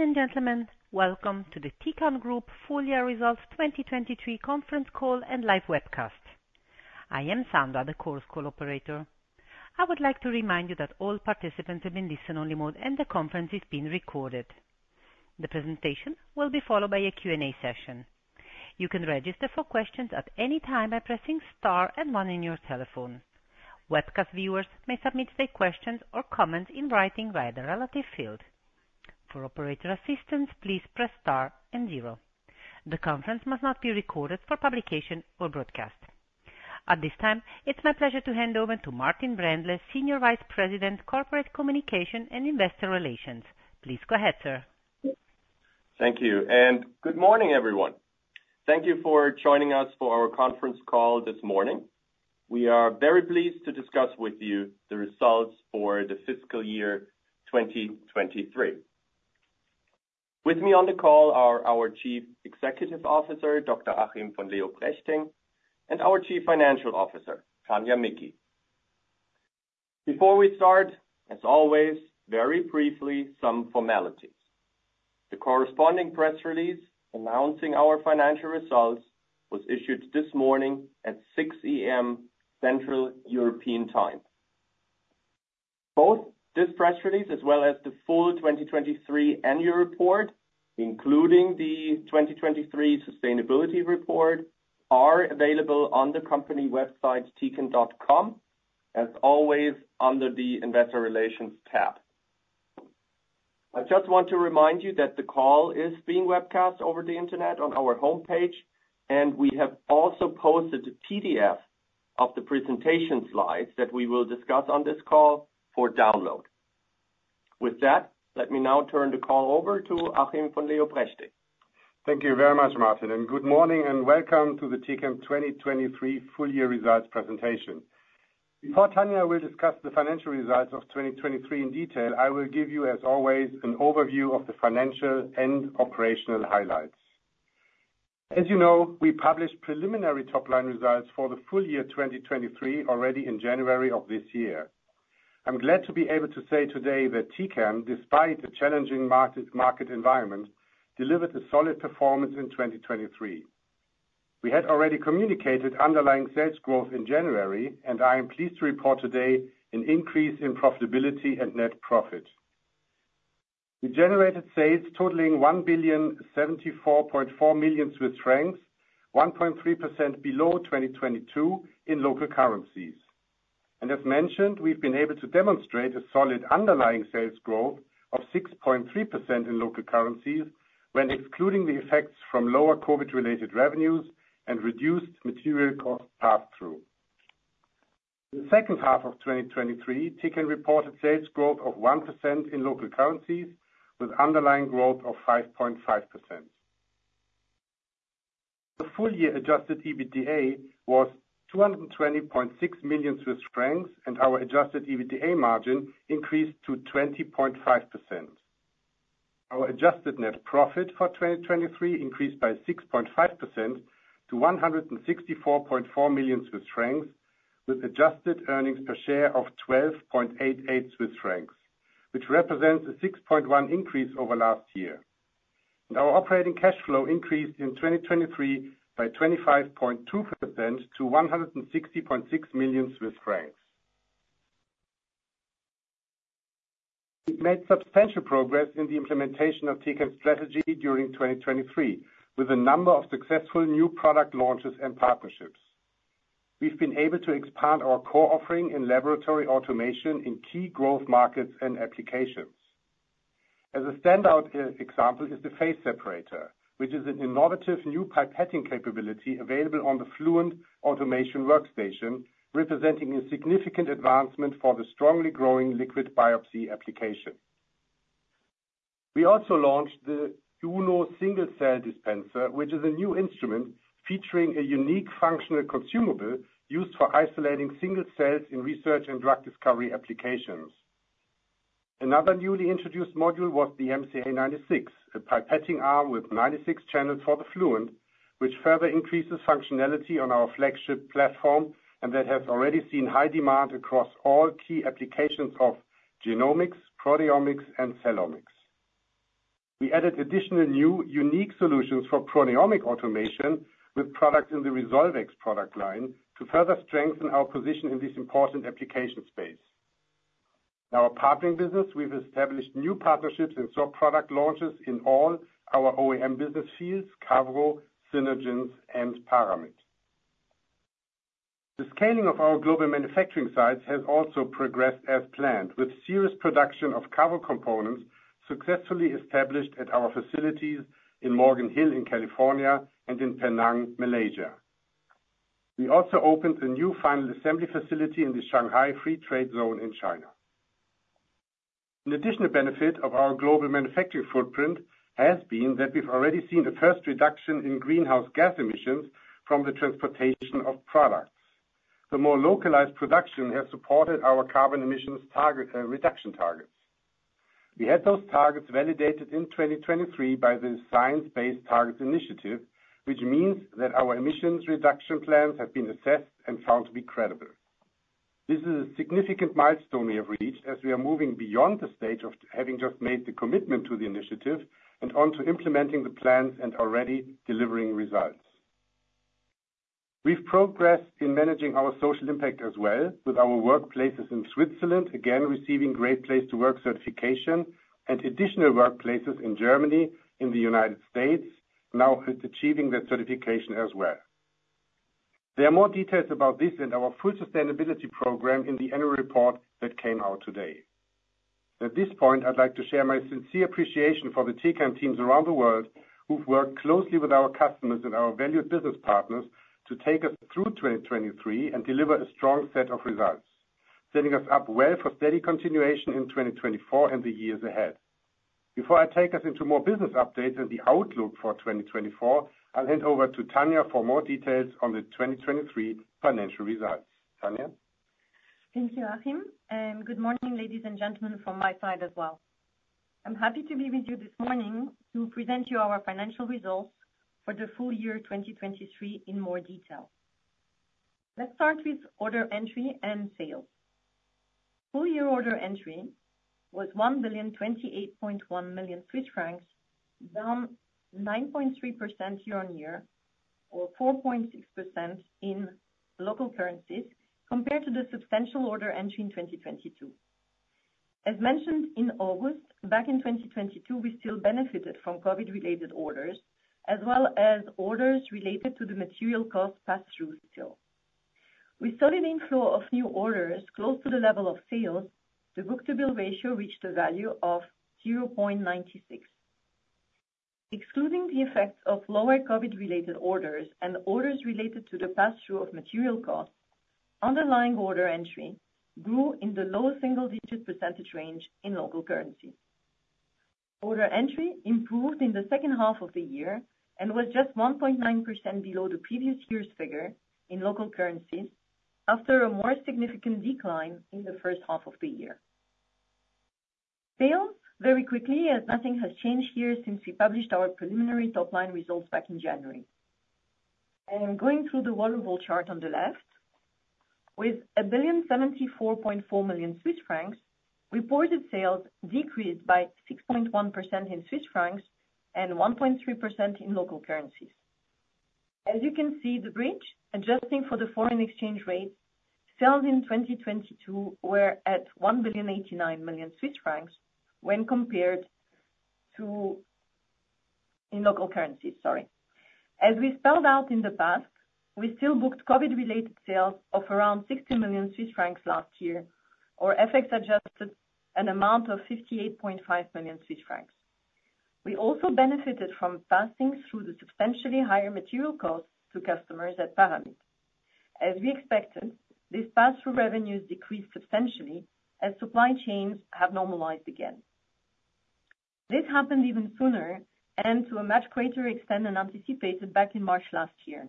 Ladies and gentlemen, welcome to the Tecan Group Full Year Results 2023 conference call and live webcast. I am Sandra, the conference call operator. I would like to remind you that all participants are in listen-only mode, and the conference is being recorded. The presentation will be followed by a Q&A session. You can register for questions at any time by pressing star and one on your telephone. Webcast viewers may submit their questions or comments in writing via the relevant field. For operator assistance, please press star and zero. The conference must not be recorded for publication or broadcast. At this time, it's my pleasure to hand over to Martin Brändle, Senior Vice President, Corporate Communications and Investor Relations. Please go ahead, sir. Thank you, and good morning, everyone. Thank you for joining us for our conference call this morning. We are very pleased to discuss with you the results for the fiscal year 2023. With me on the call are our Chief Executive Officer, Dr. Achim von Leoprechting, and our Chief Financial Officer, Tania Micki. Before we start, as always, very briefly, some formalities. The corresponding press release announcing our financial results was issued this morning at 6 A.M. Central European Time. Both this press release, as well as the full 2023 annual report, including the 2023 sustainability report, are available on the company website, tecan.com, as always, under the Investor Relations tab. I just want to remind you that the call is being webcast over the Internet on our homepage, and we have also posted a PDF of the presentation slides that we will discuss on this call for download. With that, let me now turn the call over to Achim von Leoprechting. Thank you very much, Martin, and good morning, and welcome to the Tecan 2023 full year results presentation. Before Tania will discuss the financial results of 2023 in detail, I will give you, as always, an overview of the financial and operational highlights. As you know, we published preliminary top-line results for the full year 2023, already in January of this year. I'm glad to be able to say today that Tecan, despite the challenging market, market environment, delivered a solid performance in 2023. We had already communicated underlying sales growth in January, and I am pleased to report today an increase in profitability and net profit. We generated sales totaling 1,074.4 million Swiss francs, 1.3% below 2022 in local currencies. And as mentioned, we've been able to demonstrate a solid underlying sales growth of 6.3% in local currencies, when excluding the effects from lower COVID-related revenues and reduced material cost pass-through. In the second half of 2023, Tecan reported sales growth of 1% in local currencies, with underlying growth of 5.5%. The full year Adjusted EBITDA was 220.6 million Swiss francs, and our Adjusted EBITDA margin increased to 20.5%. Our adjusted net profit for 2023 increased by 6.5% to 164.4 million Swiss francs, with adjusted earnings per share of 12.88 Swiss francs, which represents a 6.1% increase over last year. Our operating cash flow increased in 2023 by 25.2% to CHF 160.6 million. We've made substantial progress in the implementation of Tecan strategy during 2023, with a number of successful new product launches and partnerships. We've been able to expand our core offering in laboratory automation in key growth markets and applications. As a standout example is the Phase Separator, which is an innovative new pipetting capability available on the Fluent automation workstation, representing a significant advancement for the strongly growing liquid biopsy application. We also launched the Uno Single Cell Dispenser, which is a new instrument featuring a unique functional consumable used for isolating single cells in research and drug discovery applications. Another newly introduced module was the MCA 96, a pipetting arm with 96 channels for the Fluent, which further increases functionality on our flagship platform, and that has already seen high demand across all key applications of genomics, proteomics, and cellomics. We added additional new unique solutions for proteomic automation with products in the Resolvex product line to further strengthen our position in this important application space. In our partnering business, we've established new partnerships and saw product launches in all our OEM business fields, Cavro, Synergence, and Paramit. The scaling of our global manufacturing sites has also progressed as planned, with serious production of Cavro components successfully established at our facilities in Morgan Hill, in California and in Penang, Malaysia. We also opened a new final assembly facility in the Shanghai Free Trade Zone in China. An additional benefit of our global manufacturing footprint has been that we've already seen the first reduction in greenhouse gas emissions from the transportation of products. The more localized production has supported our carbon emissions target, reduction targets. We had those targets validated in 2023 by the Science Based Targets initiative, which means that our emissions reduction plans have been assessed and found to be credible. This is a significant milestone we have reached, as we are moving beyond the stage of having just made the commitment to the initiative and onto implementing the plans and already delivering results. We've progressed in managing our social impact as well, with our workplaces in Switzerland again receiving Great Place to Work certification, and additional workplaces in Germany, in the United States, now achieving that certification as well. There are more details about this in our full sustainability program in the annual report that came out today. At this point, I'd like to share my sincere appreciation for the Tecan teams around the world, who've worked closely with our customers and our valued business partners to take us through 2023 and deliver a strong set of results, setting us up well for steady continuation in 2024 and the years ahead. Before I take us into more business updates and the outlook for 2024, I'll hand over to Tania for more details on the 2023 financial results. Tania? Thank you, Achim, and good morning, ladies and gentlemen, from my side as well. I'm happy to be with you this morning to present you our financial results for the full year 2023 in more detail. Let's start with order entry and sales. Full year order entry was 1,028.1 million Swiss francs, down 9.3% year-on-year, or 4.6% in local currencies, compared to the substantial order entry in 2022. As mentioned in August, back in 2022, we still benefited from COVID-related orders, as well as orders related to the material cost pass-through sale. With solid inflow of new orders close to the level of sales, the book-to-bill ratio reached a value of 0.96. Excluding the effects of lower COVID-related orders and orders related to the pass-through of material costs, underlying order entry grew in the low single-digit percentage range in local currency. Order entry improved in the second half of the year and was just 1.9% below the previous year's figure in local currencies, after a more significant decline in the first half of the year. Sales, very quickly, as nothing has changed here since we published our preliminary top-line results back in January. And going through the familiar chart on the left, with 1,074.4 million Swiss francs, reported sales decreased by 6.1% in Swiss francs and 1.3% in local currencies. As you can see, the bridge, adjusting for the foreign exchange rate, sales in 2022 were at 1.089 billion Swiss francs when compared to-- in local currency, sorry. As we spelled out in the past, we still booked COVID-related sales of around 60 million Swiss francs last year, or FX-adjusted an amount of 58.5 million Swiss francs. We also benefited from passing through the substantially higher material costs to customers at Paramit. As we expected, these pass-through revenues decreased substantially as supply chains have normalized again. This happened even sooner and to a much greater extent than anticipated back in March last year.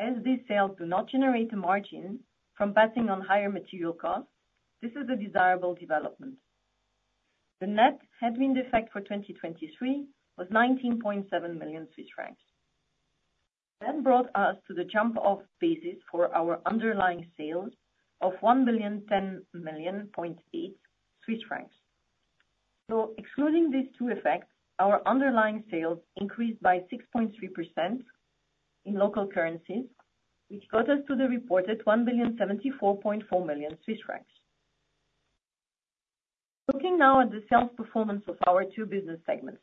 As these sales do not generate a margin from passing on higher material costs, this is a desirable development. The net headwind effect for 2023 was 19.7 million Swiss francs. That brought us to the jump-off basis for our underlying sales of 1,010.8 million. So excluding these two effects, our underlying sales increased by 6.3% in local currencies, which got us to the reported 1,074.4 million Swiss francs. Looking now at the sales performance of our two business segments.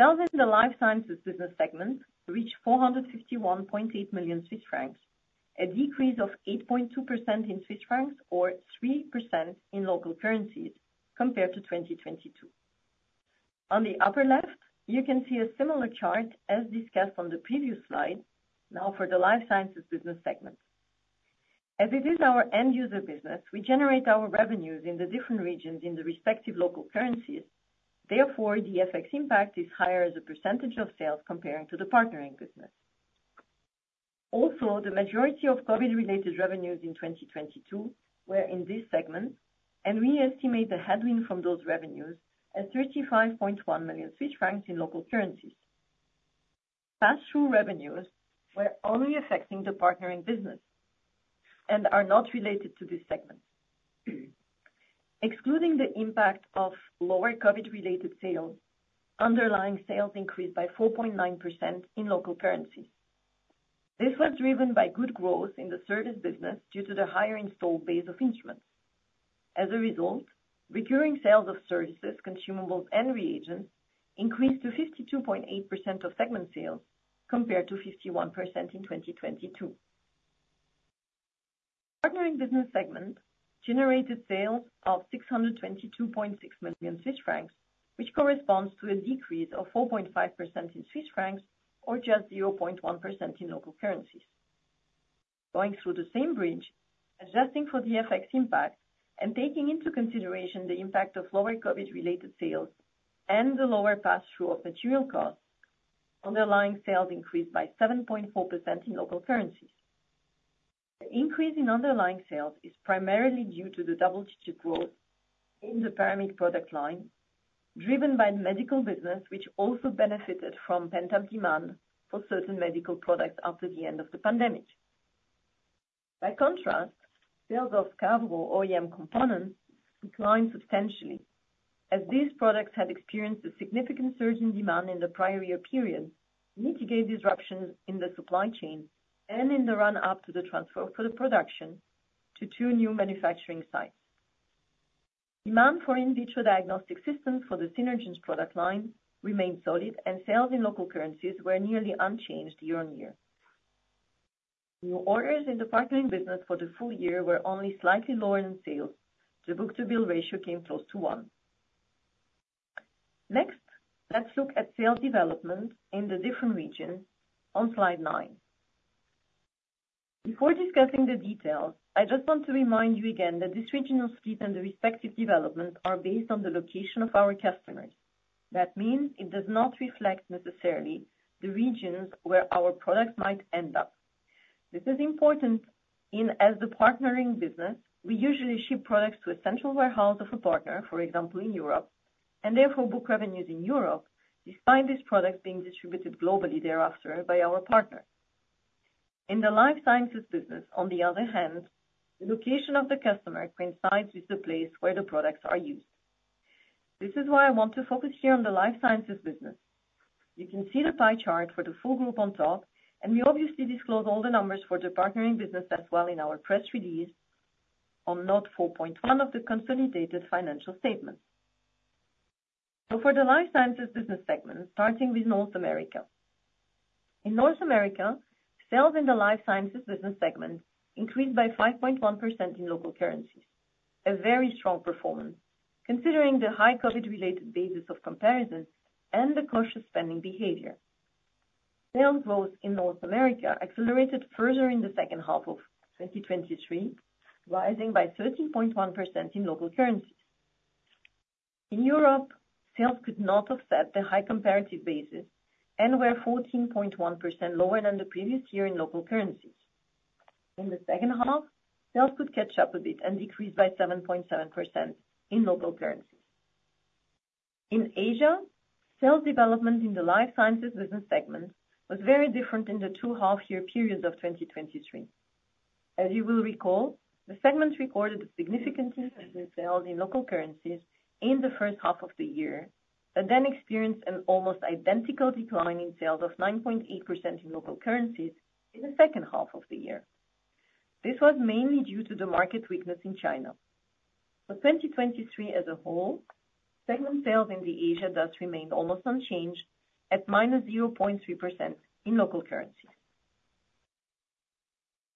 Sales in the Life Sciences business segment reached 451.8 million Swiss francs, a decrease of 8.2% in Swiss francs or 3% in local currencies compared to 2022. On the upper left, you can see a similar chart as discussed on the previous slide, now for the Life Sciences business segment. As it is our end-user business, we generate our revenues in the different regions in the respective local currencies. Therefore, the FX impact is higher as a percentage of sales comparing to the partnering business. Also, the majority of COVID-related revenues in 2022 were in this segment, and we estimate the headwind from those revenues at 35.1 million Swiss francs in local currencies. Pass-through revenues were only affecting the partnering business and are not related to this segment. Excluding the impact of lower COVID-related sales, underlying sales increased by 4.9% in local currency. This was driven by good growth in the service business due to the higher installed base of instruments. As a result, recurring sales of services, consumables, and reagents increased to 52.8% of segment sales, compared to 51% in 2022. Partnering business segment generated sales of 622.6 million Swiss francs, which corresponds to a decrease of 4.5% in Swiss francs or just 0.1% in local currencies. Going through the same bridge, adjusting for the FX impact and taking into consideration the impact of lower COVID-related sales and the lower pass-through of material costs, underlying sales increased by 7.4% in local currencies. The increase in underlying sales is primarily due to the double-digit growth in the Paramit product line driven by the medical business, which also benefited from pent-up demand for certain medical products after the end of the pandemic. By contrast, sales of Cavro OEM components declined substantially, as these products had experienced a significant surge in demand in the prior year period, mitigated disruptions in the supply chain, and in the run-up to the transfer for the production to two new manufacturing sites. Demand for in vitro diagnostic systems for the Synergence product line remained solid, and sales in local currencies were nearly unchanged year-on-year. New orders in the partnering business for the full year were only slightly lower in sales. The book-to-bill ratio came close to one. Next, let's look at sales development in the different regions on slide 9. Before discussing the details, I just want to remind you again that this regional split and the respective development are based on the location of our customers. That means it does not reflect necessarily the regions where our products might end up. This is important in, as the partnering business, we usually ship products to a central warehouse of a partner, for example, in Europe, and therefore, book revenues in Europe, despite these products being distributed globally thereafter by our partner. In the life sciences business, on the other hand, the location of the customer coincides with the place where the products are used. This is why I want to focus here on the life sciences business. You can see the pie chart for the full group on top, and we obviously disclose all the numbers for the partnering business as well in our press release on note 4.1 of the consolidated financial statements. So for the life sciences business segment, starting with North America. In North America, sales in the life sciences business segment increased by 5.1% in local currencies. A very strong performance, considering the high COVID-related basis of comparison and the cautious spending behavior. Sales growth in North America accelerated further in the second half of 2023, rising by 13.1% in local currencies. In Europe, sales could not offset the high comparative basis and were 14.1% lower than the previous year in local currencies. In the second half, sales could catch up a bit and decreased by 7.7% in local currencies. In Asia, sales development in the life sciences business segment was very different in the two half year periods of 2023. As you will recall, the segment recorded significant sales in local currencies in the first half of the year, but then experienced an almost identical decline in sales of 9.8% in local currencies in the second half of the year. This was mainly due to the market weakness in China. For 2023 as a whole, segment sales in the Asia thus remained almost unchanged at -0.3% in local currency.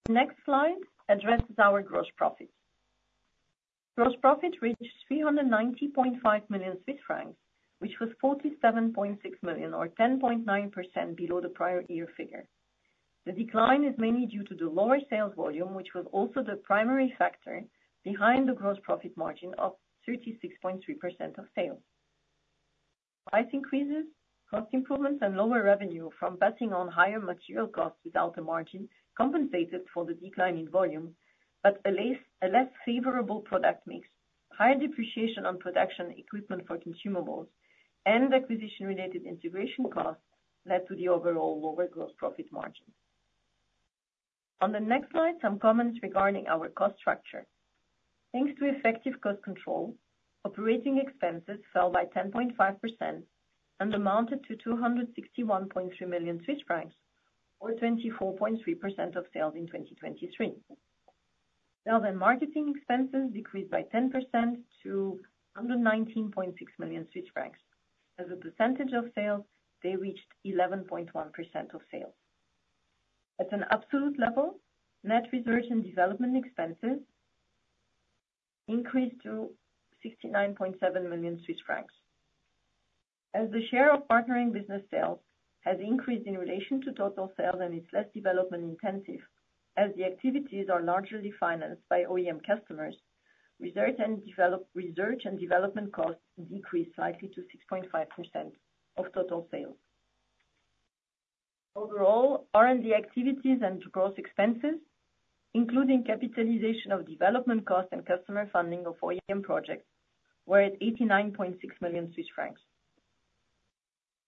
Next slide addresses our gross profit. Gross profit reached 390.5 million Swiss francs, which was 47.6 million, or 10.9% below the prior year figure. The decline is mainly due to the lower sales volume, which was also the primary factor behind the gross profit margin of 36.3% of sales. Price increases, cost improvements, and lower revenue from passing on higher material costs without a margin compensated for the decline in volume, but a less favorable product mix, higher depreciation on production equipment for consumables, and acquisition-related integration costs led to the overall lower gross profit margin. On the next slide, some comments regarding our cost structure. Thanks to effective cost control, operating expenses fell by 10.5% and amounted to 261.3 million Swiss francs, or 24.3% of sales in 2023. Sales and marketing expenses decreased by 10% to one hundred ninety point six million Swiss francs. As a percentage of sales, they reached 11.1% of sales. At an absolute level, net research and development expenses increased to 69.7 million Swiss francs. As the share of partnering business sales has increased in relation to total sales and is less development intensive, as the activities are largely financed by OEM customers, research and development costs decreased slightly to 6.5% of total sales. Overall, R&D activities and gross expenses, including capitalization of development costs and customer funding of OEM projects, were at 89.6 million Swiss francs.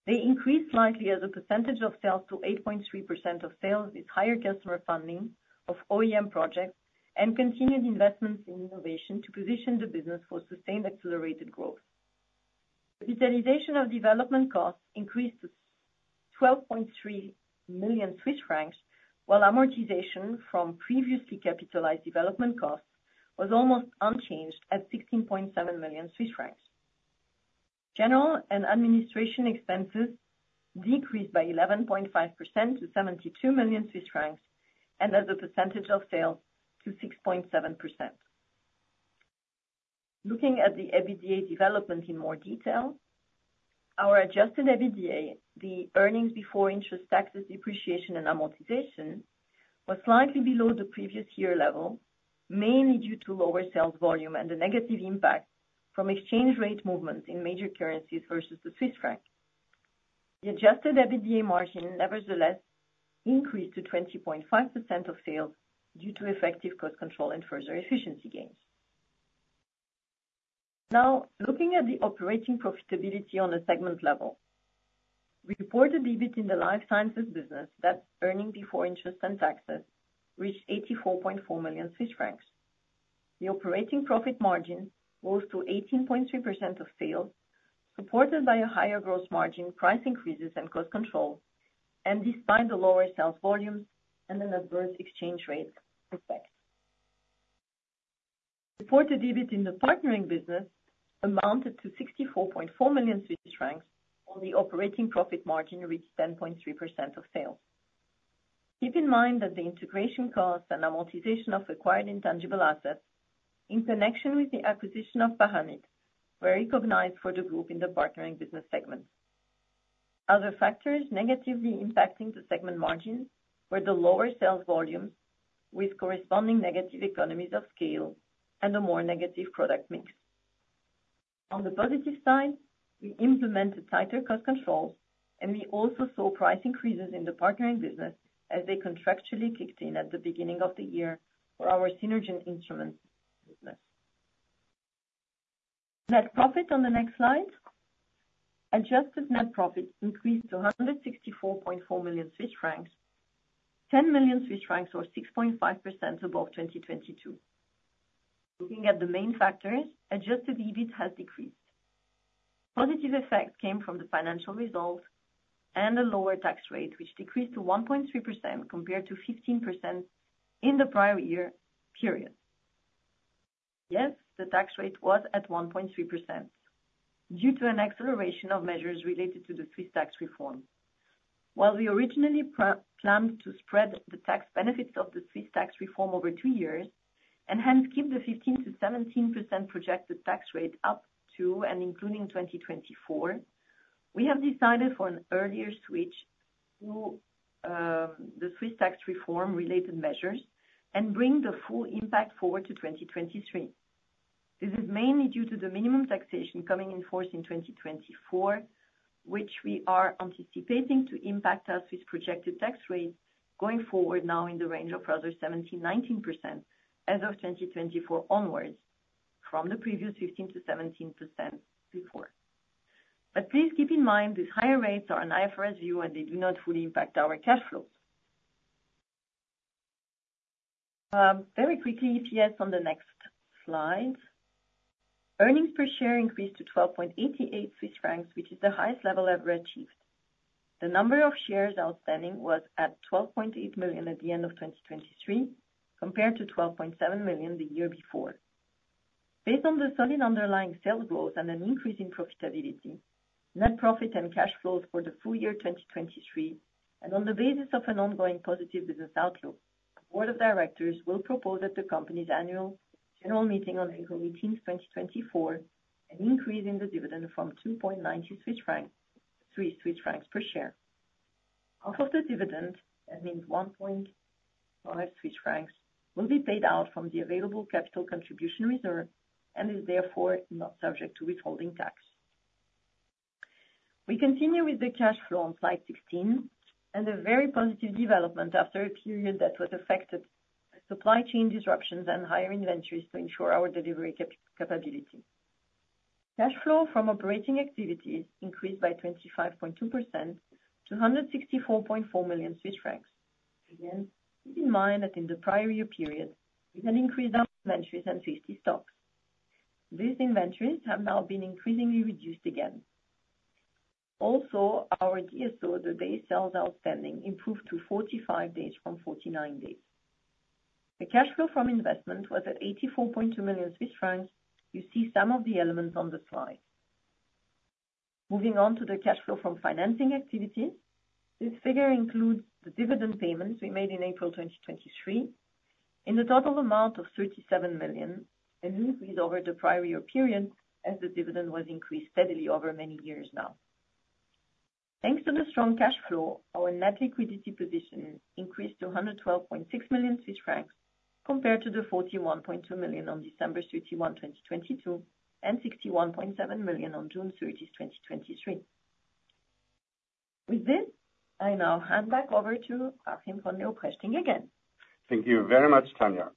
They increased slightly as a percentage of sales to 8.3% of sales, with higher customer funding of OEM projects and continued investments in innovation to position the business for sustained, accelerated growth. Capitalization of development costs increased to 12.3 million Swiss francs, while amortization from previously capitalized development costs was almost unchanged at 16.7 million Swiss francs. General and administration expenses decreased by 11.5% to 72 million Swiss francs, and as a percentage of sales, to 6.7%. Looking at the EBITDA development in more detail, our Adjusted EBITDA, the earnings before interest, taxes, depreciation, and amortization, was slightly below the previous year level, mainly due to lower sales volume and the negative impact from exchange rate movements in major currencies versus the Swiss franc. The Adjusted EBITDA margin nevertheless increased to 20.5% of sales due to effective cost control and further efficiency gains. Now, looking at the operating profitability on a segment level, we reported EBIT in the Life Sciences business that's earning before interest and taxes, reached 84.4 million Swiss francs. The operating profit margin rose to 18.3% of sales, supported by a higher gross margin, price increases, and cost control, and despite the lower sales volumes and an adverse exchange rate effect. Reported EBIT in the partnering business amounted to 64.4 million Swiss francs, while the operating profit margin reached 10.3% of sales. Keep in mind that the integration costs and amortization of acquired intangible assets in connection with the acquisition of Paramit, were recognized for the group in the partnering business segment. Other factors negatively impacting the segment margins were the lower sales volumes, with corresponding negative economies of scale and a more negative product mix. On the positive side, we implemented tighter cost controls, and we also saw price increases in the partnering business as they contractually kicked in at the beginning of the year for our Synergence Instruments business. Net profit on the next slide. Adjusted net profit increased to 164.4 million Swiss francs, 10 million Swiss francs, or 6.5% above 2022. Looking at the main factors, adjusted EBIT has decreased. Positive effect came from the financial results and a lower tax rate, which decreased to 1.3% compared to 15% in the prior year period. Yes, the tax rate was at 1.3% due to an acceleration of measures related to the Swiss tax reform. While we originally planned to spread the tax benefits of the Swiss tax reform over two years, and hence keep the 15%-17% projected tax rate up to and including 2024, we have decided for an earlier switch to the Swiss tax reform-related measures and bring the full impact forward to 2023. This is mainly due to the minimum taxation coming in force in 2024, which we are anticipating to impact us with projected tax rates going forward now in the range of rather 17%-19% as of 2024 onwards, from the previous 15%-17% before. But please keep in mind, these higher rates are an IFRS view, and they do not fully impact our cash flows. Very quickly, EPS, on the next slide. Earnings per share increased to 12.88 Swiss francs, which is the highest level ever achieved. The number of shares outstanding was at 12.8 million at the end of 2023, compared to 12.7 million the year before. Based on the solid underlying sales growth and an increase in profitability, net profit and cash flows for the full year 2023, and on the basis of an ongoing positive business outlook, the Board of Directors will propose at the company's Annual General Meeting on April 18, 2024, an increase in the dividend from 2.90 Swiss francs per share. Half of the dividend, that means 1.5 Swiss francs, will be paid out from the available capital contribution reserve and is therefore not subject to withholding tax. We continue with the cash flow on slide 16, and a very positive development after a period that was affected by supply chain disruptions and higher inventories to ensure our delivery capability. Cash flow from operating activities increased by 25.2% to 164.4 million Swiss francs. Again, keep in mind that in the prior year period, we had increased our inventories and safety stocks. These inventories have now been increasingly reduced again. Also, our DSO, the days sales outstanding, improved to 45 days from 49 days. The cash flow from investment was at 84.2 million Swiss francs. You see some of the elements on the slide. Moving on to the cash flow from financing activities. This figure includes the dividend payments we made in April 2023, in the total amount of 37 million, an increase over the prior year period, as the dividend was increased steadily over many years now. Thanks to the strong cash flow, our net liquidity position increased to 112.6 million Swiss francs, compared to the 41.2 million on December 31, 2022, and 61.7 million on June 30, 2023. With this, I now hand back over to Achim von Leoprechting again. Thank you very much, Tania.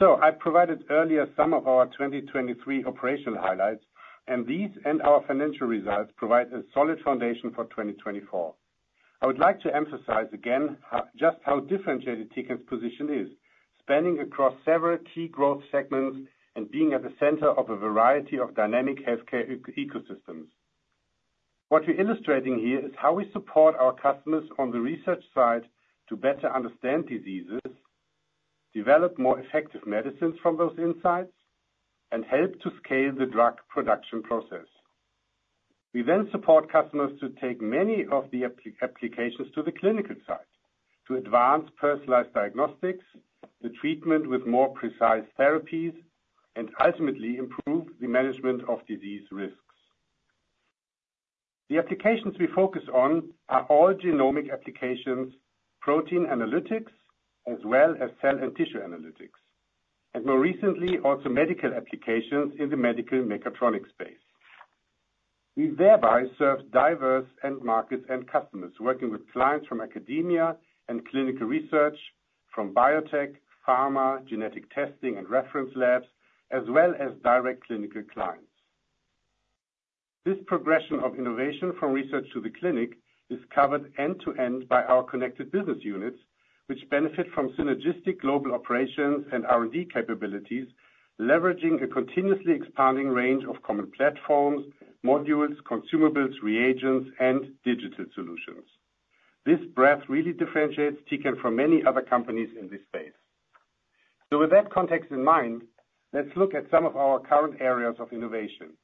So I provided earlier some of our 2023 operational highlights, and these and our financial results provide a solid foundation for 2024. I would like to emphasize again, how, just how differentiated Tecan's position is, spanning across several key growth segments and being at the center of a variety of dynamic healthcare ecosystems. What we're illustrating here is how we support our customers on the research side to better understand diseases, develop more effective medicines from those insights, and help to scale the drug production process. We then support customers to take many of the applications to the clinical side, to advance personalized diagnostics, the treatment with more precise therapies, and ultimately improve the management of disease risks. The applications we focus on are all genomic applications, protein analytics, as well as cell and tissue analytics.... More recently, also medical applications in the medical mechatronics space. We thereby serve diverse end markets and customers, working with clients from academia and clinical research, from biotech, pharma, genetic testing, and reference labs, as well as direct clinical clients. This progression of innovation from research to the clinic is covered end-to-end by our connected business units, which benefit from synergistic global operations and R&D capabilities, leveraging a continuously expanding range of common platforms, modules, consumables, reagents, and digital solutions. This breadth really differentiates Tecan from many other companies in this space. So with that context in mind, let's look at some of our current areas of innovation.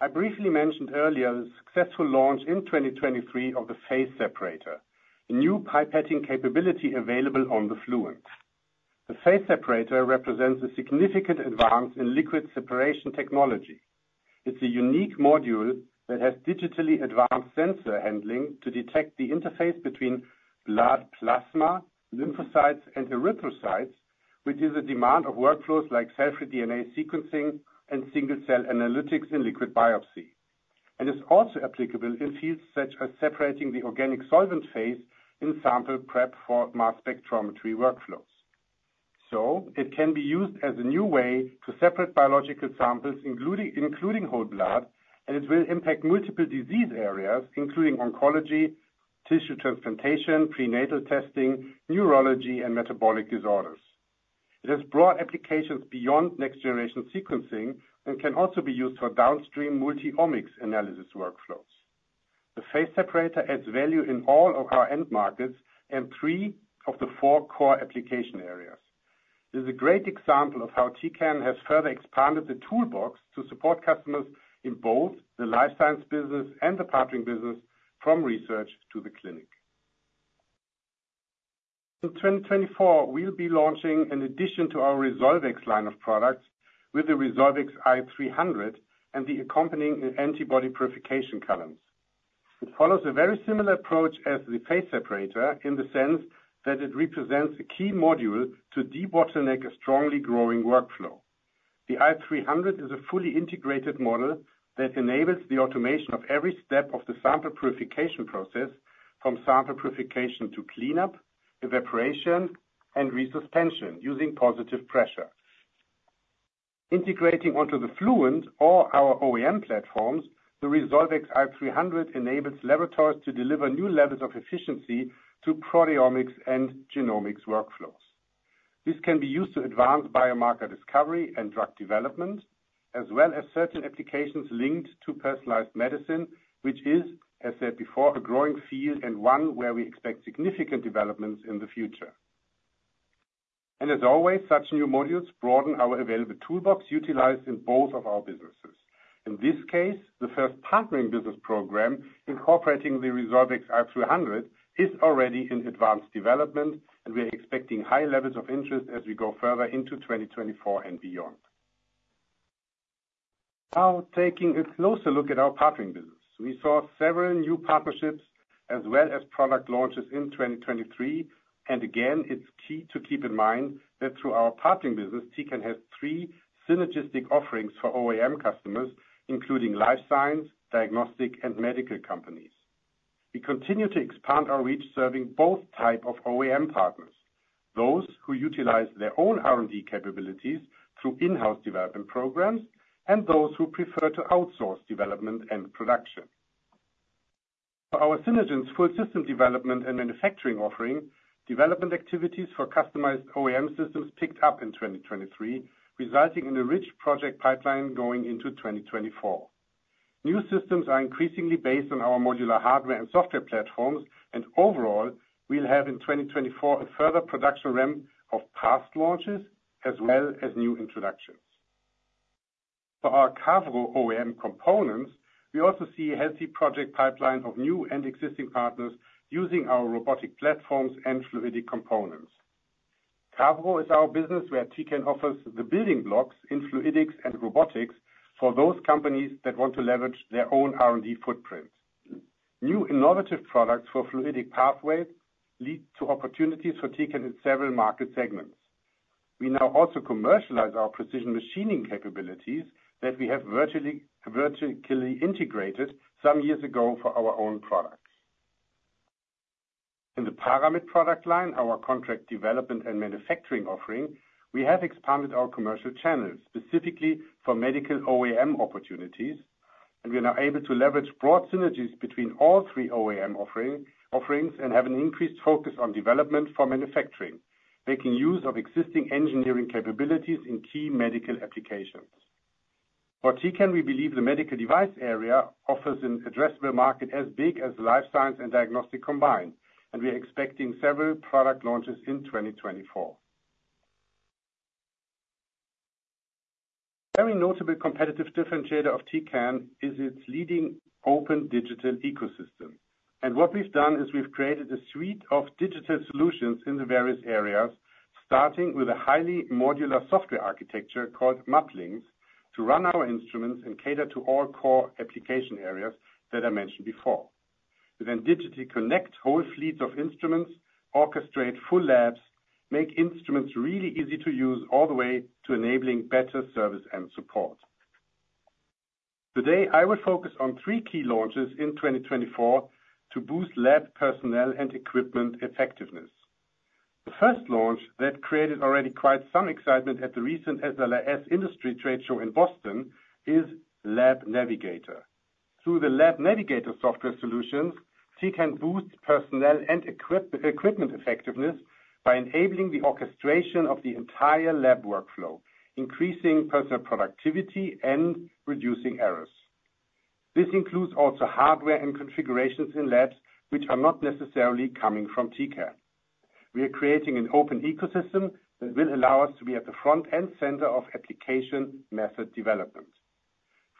I briefly mentioned earlier the successful launch in 2023 of the Phase Separator, a new pipetting capability available on the Fluent. The Phase Separator represents a significant advance in liquid separation technology. It's a unique module that has digitally advanced sensor handling to detect the interface between blood plasma, lymphocytes, and erythrocytes, which is a demand of workflows like cell-free DNA sequencing and single-cell analytics in liquid biopsy, and is also applicable in fields such as separating the organic solvent phase in sample prep for mass spectrometry workflows. So it can be used as a new way to separate biological samples, including whole blood, and it will impact multiple disease areas, including oncology, tissue transplantation, prenatal testing, neurology, and metabolic disorders. It has broad applications beyond next-generation sequencing and can also be used for downstream multi-omics analysis workflows. The Phase Separator adds value in all of our end markets and three of the four core application areas. This is a great example of how Tecan has further expanded the toolbox to support customers in both the life science business and the partnering business from research to the clinic. In 2024, we'll be launching an addition to our Resolvex line of products with the Resolvex i300 and the accompanying antibody purification columns. It follows a very similar approach as the Phase Separator, in the sense that it represents a key module to debottleneck a strongly growing workflow. The i300 is a fully integrated model that enables the automation of every step of the sample purification process, from sample purification to cleanup, evaporation, and resuspension using positive pressure. Integrating onto the Fluent or our OEM platforms, the Resolvex i300 enables laboratories to deliver new levels of efficiency to proteomics and genomics workflows. This can be used to advance biomarker discovery and drug development, as well as certain applications linked to personalized medicine, which is, as said before, a growing field and one where we expect significant developments in the future. And as always, such new modules broaden our available toolbox utilized in both of our businesses. In this case, the first partnering business program, incorporating the Resolvex i300, is already in advanced development, and we are expecting high levels of interest as we go further into 2024 and beyond. Now, taking a closer look at our partnering business. We saw several new partnerships as well as product launches in 2023, and again, it's key to keep in mind that through our partnering business, Tecan has three synergistic offerings for OEM customers, including life science, diagnostic, and medical companies. We continue to expand our reach, serving both types of OEM partners, those who utilize their own R&D capabilities through in-house development programs, and those who prefer to outsource development and production. For our Synergence full system development and manufacturing offering, development activities for customized OEM systems picked up in 2023, resulting in a rich project pipeline going into 2024. New systems are increasingly based on our modular hardware and software platforms, and overall, we'll have in 2024, a further production ramp of past launches, as well as new introductions. For our Cavro OEM components, we also see a healthy project pipeline of new and existing partners using our robotic platforms and fluidic components. Cavro is our business, where Tecan offers the building blocks in fluidics and robotics for those companies that want to leverage their own R&D footprint. New innovative products for fluidic pathways lead to opportunities for Tecan in several market segments. We now also commercialize our precision machining capabilities that we have vertically integrated some years ago for our own products. In the Paramit product line, our contract development and manufacturing offering, we have expanded our commercial channels, specifically for medical OEM opportunities, and we are now able to leverage broad synergies between all three OEM offering, and have an increased focus on development for manufacturing, making use of existing engineering capabilities in key medical applications. For Tecan, we believe the medical device area offers an addressable market as big as the life science and diagnostic combined, and we are expecting several product launches in 2024. A very notable competitive differentiator of Tecan is its leading open digital ecosystem. What we've done is we've created a suite of digital solutions in the various areas, starting with a highly modular software architecture called MAPlinx, to run our instruments and cater to all core application areas that I mentioned before. We then digitally connect whole fleets of instruments, orchestrate full labs, make instruments really easy to use, all the way to enabling better service and support. Today, I will focus on three key launches in 2024 to boost lab personnel and equipment effectiveness. The first launch that created already quite some excitement at the recent SLAS industry trade show in Boston is LabNavigator. Through the LabNavigator software solutions, Tecan boost personnel and equipment effectiveness by enabling the orchestration of the entire lab workflow, increasing personnel productivity and reducing errors. This includes also hardware and configurations in labs, which are not necessarily coming from Tecan. We are creating an open ecosystem that will allow us to be at the front and center of application method development.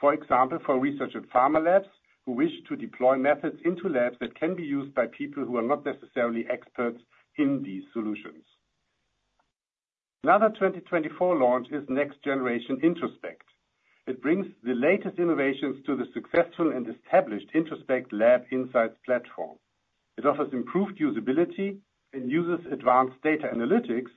For example, for research at pharma labs, who wish to deploy methods into labs that can be used by people who are not necessarily experts in these solutions. Another 2024 launch is next generation Introspect. It brings the latest innovations to the successful and established Introspect lab insights platform. It offers improved usability and uses advanced data analytics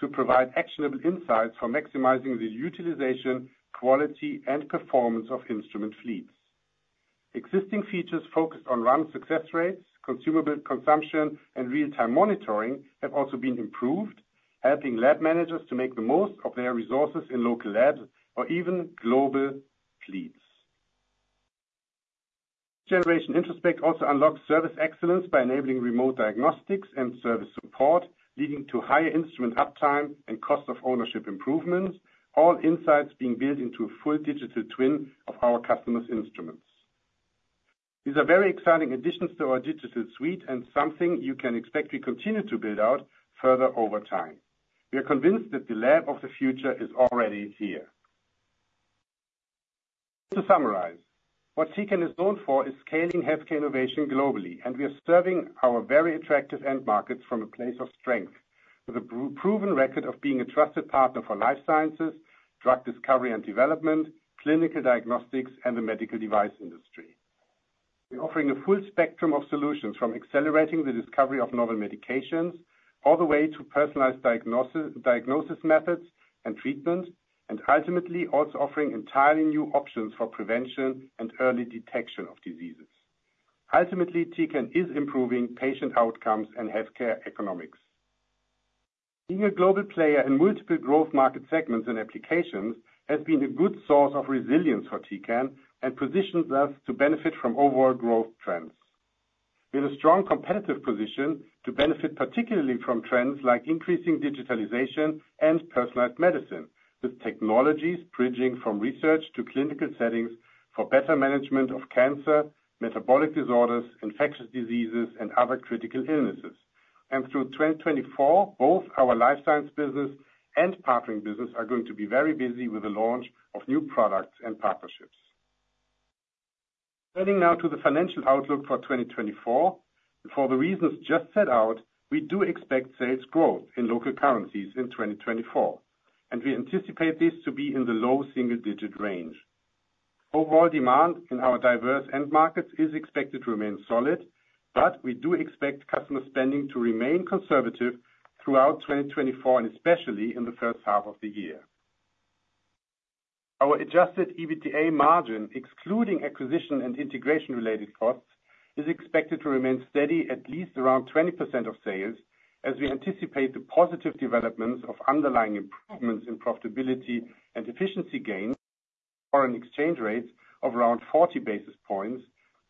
to provide actionable insights for maximizing the utilization, quality, and performance of instrument fleets. Existing features focused on run success rates, consumable consumption, and real-time monitoring have also been improved, helping lab managers to make the most of their resources in local labs or even global fleets. Generation Introspect also unlocks service excellence by enabling remote diagnostics and service support, leading to higher instrument uptime and cost of ownership improvements, all insights being built into a full digital twin of our customers' instruments. These are very exciting additions to our digital suite and something you can expect we continue to build out further over time. We are convinced that the lab of the future is already here. To summarize, what Tecan is known for is scaling healthcare innovation globally, and we are serving our very attractive end markets from a place of strength, with a proven record of being a trusted partner for life sciences, drug discovery and development, clinical diagnostics, and the medical device industry. We're offering a full spectrum of solutions, from accelerating the discovery of novel medications, all the way to personalized diagnosis methods and treatments, and ultimately, also offering entirely new options for prevention and early detection of diseases. Ultimately, Tecan is improving patient outcomes and healthcare economics. Being a global player in multiple growth market segments and applications, has been a good source of resilience for Tecan and positions us to benefit from overall growth trends. We have a strong competitive position to benefit, particularly from trends like increasing digitalization and personalized medicine, with technologies bridging from research to clinical settings for better management of cancer, metabolic disorders, infectious diseases, and other critical illnesses. And through 2024, both our life science business and partnering business are going to be very busy with the launch of new products and partnerships. Turning now to the financial outlook for 2024. For the reasons just set out, we do expect sales growth in local currencies in 2024, and we anticipate this to be in the low single digit range. Overall demand in our diverse end markets is expected to remain solid, but we do expect customer spending to remain conservative throughout 2024, and especially in the first half of the year. Our Adjusted EBITDA margin, excluding acquisition and integration-related costs, is expected to remain steady at least around 20% of sales, as we anticipate the positive developments of underlying improvements in profitability and efficiency gains, foreign exchange rates of around 40 basis points,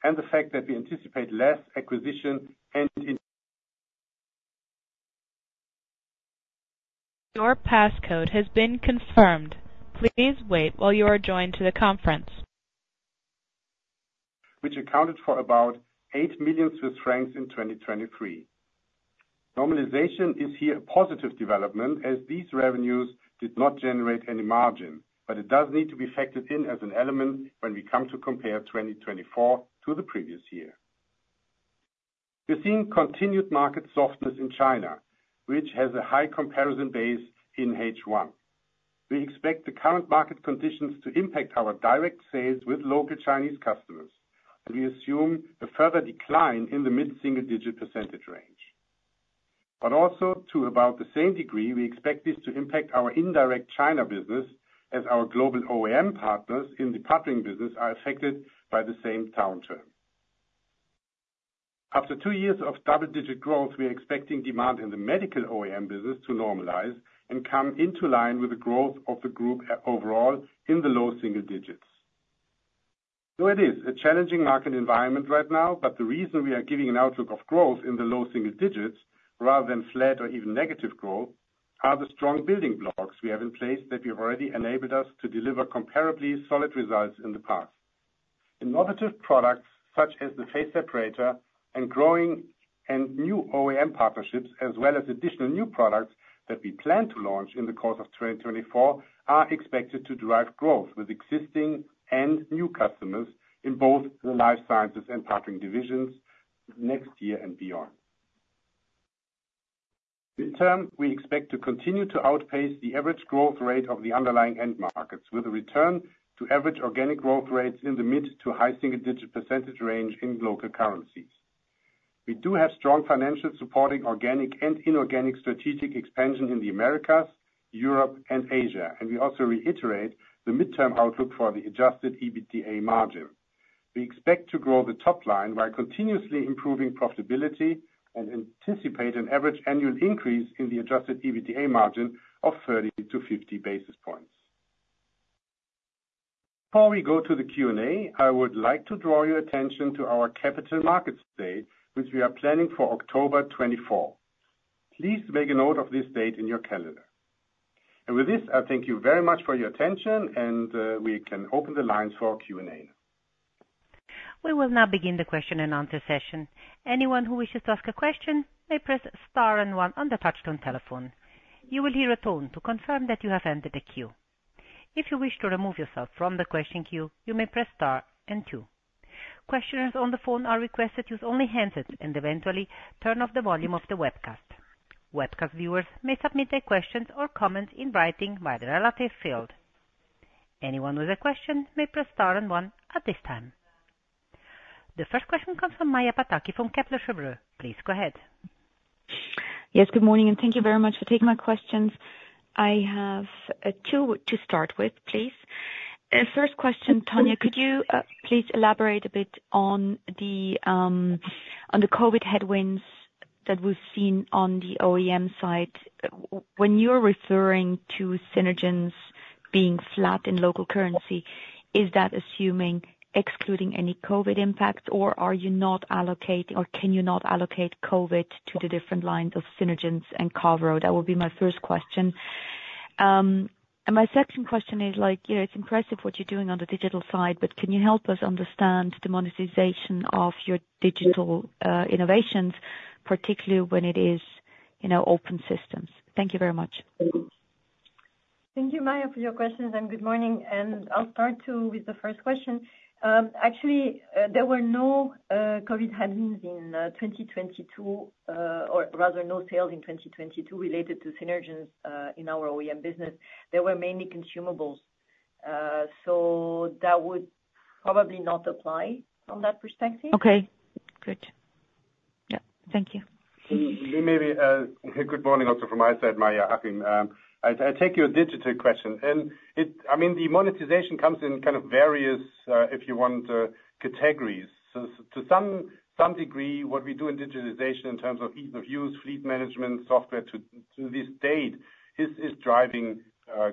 and the fact that we anticipate less acquisition and in- Your passcode has been confirmed. Please wait while you are joined to the conference. Which accounted for about 8 million Swiss francs in 2023. Normalization is here a positive development, as these revenues did not generate any margin, but it does need to be factored in as an element when we come to compare 2024 to the previous year. We're seeing continued market softness in China, which has a high comparison base in H1. We expect the current market conditions to impact our direct sales with local Chinese customers, and we assume a further decline in the mid-single-digit % range. But also, to about the same degree, we expect this to impact our indirect China business, as our global OEM partners in the partnering business are affected by the same downturn. After two years of double-digit growth, we are expecting demand in the medical OEM business to normalize and come into line with the growth of the group, overall in the low single digits. So it is a challenging market environment right now, but the reason we are giving an outlook of growth in the low single digits, rather than flat or even negative growth, are the strong building blocks we have in place that we've already enabled us to deliver comparably solid results in the past. Innovative products, such as the Phase Separator and growing and new OEM partnerships, as well as additional new products that we plan to launch in the course of 2024, are expected to drive growth with existing and new customers in both the life sciences and partnering divisions next year and beyond. Midterm, we expect to continue to outpace the average growth rate of the underlying end markets, with a return to average organic growth rates in the mid- to high single-digit % range in local currencies. We do have strong financial supporting organic and inorganic strategic expansion in the Americas, Europe, and Asia, and we also reiterate the midterm outlook for the Adjusted EBITDA margin. We expect to grow the top line by continuously improving profitability, and anticipate an average annual increase in the Adjusted EBITDA margin of 30-50 basis points. Before we go to the Q&A, I would like to draw your attention to our Capital Markets Day which we are planning for October 24. Please make a note of this date in your calendar. With this, I thank you very much for your attention, and we can open the lines for Q&A. We will now begin the question and answer session. Anyone who wishes to ask a question may press star and one on the touchtone telephone. You will hear a tone to confirm that you have entered the queue. If you wish to remove yourself from the question queue, you may press star and two. Questioners on the phone are requested use only handsets and eventually turn off the volume of the webcast. Webcast viewers may submit their questions or comments in writing via the relative field. Anyone with a question may press star and one at this time. The first question comes from Maja Pataki from Kepler Cheuvreux. Please go ahead. Yes, good morning, and thank you very much for taking my questions. I have two to start with, please. First question, Tania, could you please elaborate a bit on the COVID headwinds that we've seen on the OEM side? When you're referring to Synergence being flat in local currency, is that assuming excluding any COVID impacts, or are you not allocating or can you not allocate COVID to the different lines of Synergence and core? That would be my first question. And my second question is like, you know, it's impressive what you're doing on the digital side, but can you help us understand the monetization of your digital innovations, particularly when it is, you know, open systems? Thank you very much. Thank you, Maja, for your questions, and good morning. I'll start, too, with the first question. Actually, there were no COVID headwinds in 2022, or rather, no sales in 2022 related to Synergence, in our OEM business. They were mainly consumables. So that would probably not apply from that perspective. Okay. Good. Yeah, thank you. Let me, maybe, good morning also from my side, Tania, Achim. I, I take your digital question, and I mean, the monetization comes in kind of various, if you want, categories. So to some degree, what we do in digitization in terms of ease of use, fleet management software to this date, is driving